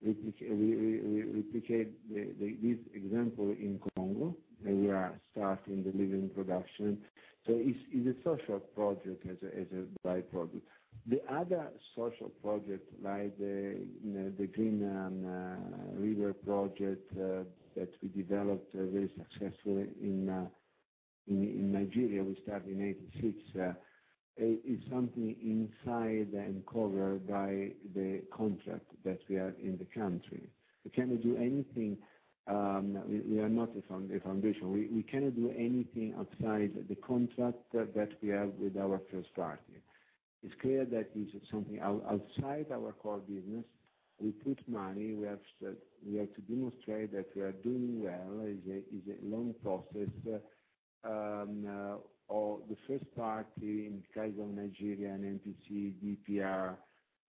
replicating this example in Republic of Congo. We are starting the living production. It's a social project as a byproduct. The other social project, like the Green River project that we developed very successfully in Nigeria, we started in 1986. It's something inside and covered by the contract that we have in the country. We cannot do anything. We are not a foundation. We cannot do anything outside the contract that we have with our first party. It's clear that it's something outside our core business. We put money. We have to demonstrate that we are doing well. It's a long process. The first party in Cairo, Nigeria, an NPC, DPR,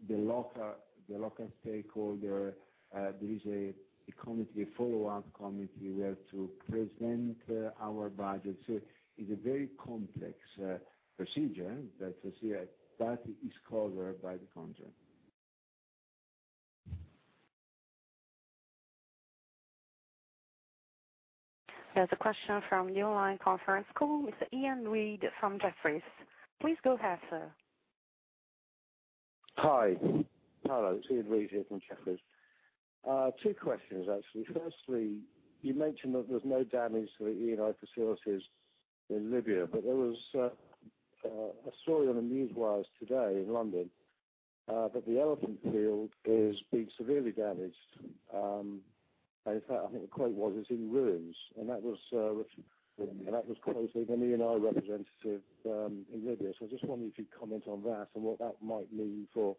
the local stakeholder, there is a committee, a follow-up committee where to present our budget. It's a very complex procedure that started, is covered by the contract. There's a question from the online conference call. Mr. Iain Reid from Jefferies. Please go ahead, sir. Hi. Paolo, it's Reid from Jeffries. Two questions, actually. Firstly, you mentioned that there's no damage to the Eni facilities in Libya, but there was a story on the newswires today in London that the Elephant field is being severely damaged. In fact, I think the quote was, "It's in ruins." That was quoted by an Eni representative in Libya. I just wonder if you could comment on that and what that might mean for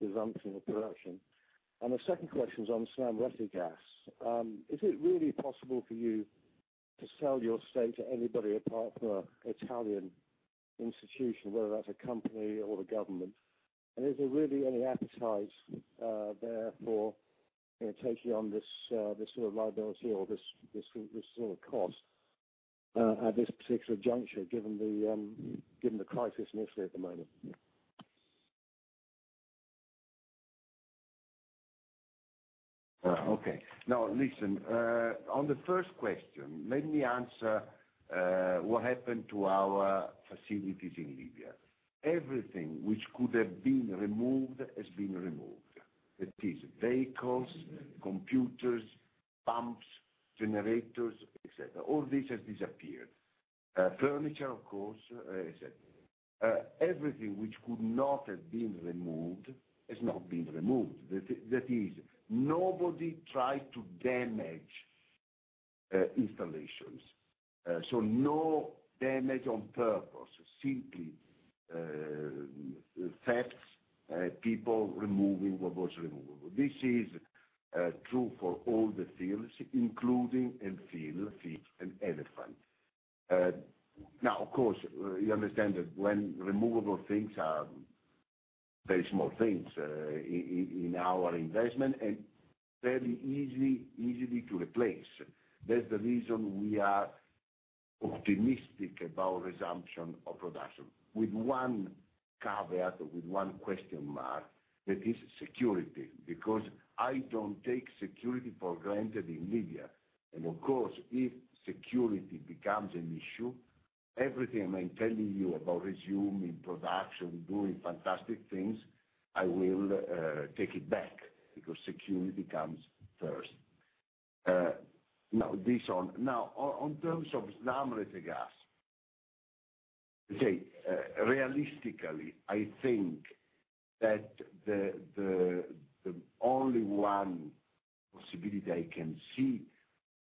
the resumption of production. The second question is on SNAM. Is it really possible for you to sell your stake to anybody apart from an Italian institution, whether that's a company or the government? Is there really any appetite there for taking on this sort of liability or this sort of cost at this particular juncture, given the crisis in Italy at the moment? Okay. Now, listen, on the first question, let me answer what happened to our facilities in Libya. Everything which could have been removed has been removed. That is vehicles, computers, pumps, generators, etc. All this has disappeared. Furniture, of course, etc. Everything which could not have been removed has not been removed. That is, nobody tried to damage installations. No damage on purpose. Simply facts, people removing what was removable. This is true for all the fields, including fields and Elephant. Now, of course, you understand that when removable things are very small things in our investment and very easy to replace. That's the reason we are optimistic about resumption of production, with one caveat, with one question mark, that is security because I don't take security for granted in Libya. If security becomes an issue, everything I'm telling you about resuming production, doing fantastic things, I will take it back because security comes first. Now, in terms of SNAM, realistically, I think that the only one possibility I can see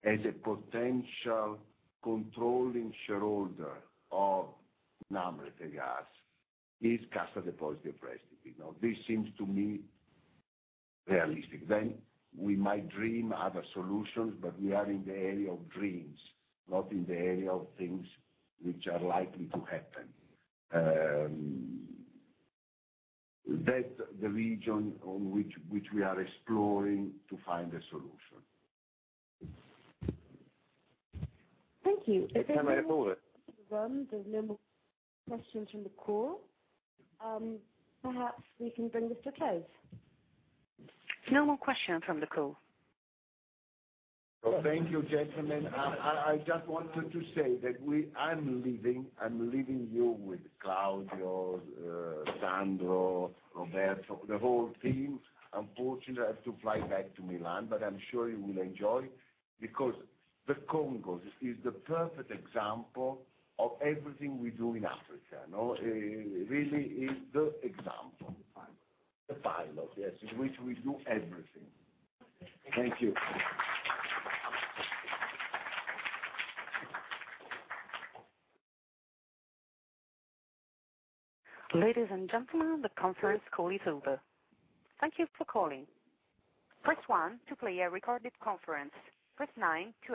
as a potential controlling shareholder of SNAM is gas to deposit depressed. This seems to me realistic. We might dream other solutions, but we are in the area of dreams, not in the area of things which are likely to happen. That's the region in which we are exploring to find a solution. Thank you. Hello everyone. We have no more questions from the call. Perhaps we can bring this to a close. No more questions from the call. Thank you, gentlemen. I just wanted to say that I'm leaving you with Claudio, Sandro, Roberto, the whole team. Unfortunately, I have to fly back to Milan, but I'm sure you will enjoy because the Congo is the perfect example of everything we do in Africa. It really is the example of the file, yes, which we do everything. Thank you. Ladies and gentlemen, the conference call is over. Thank you for calling. Press one to play a recorded conference. Press nine to.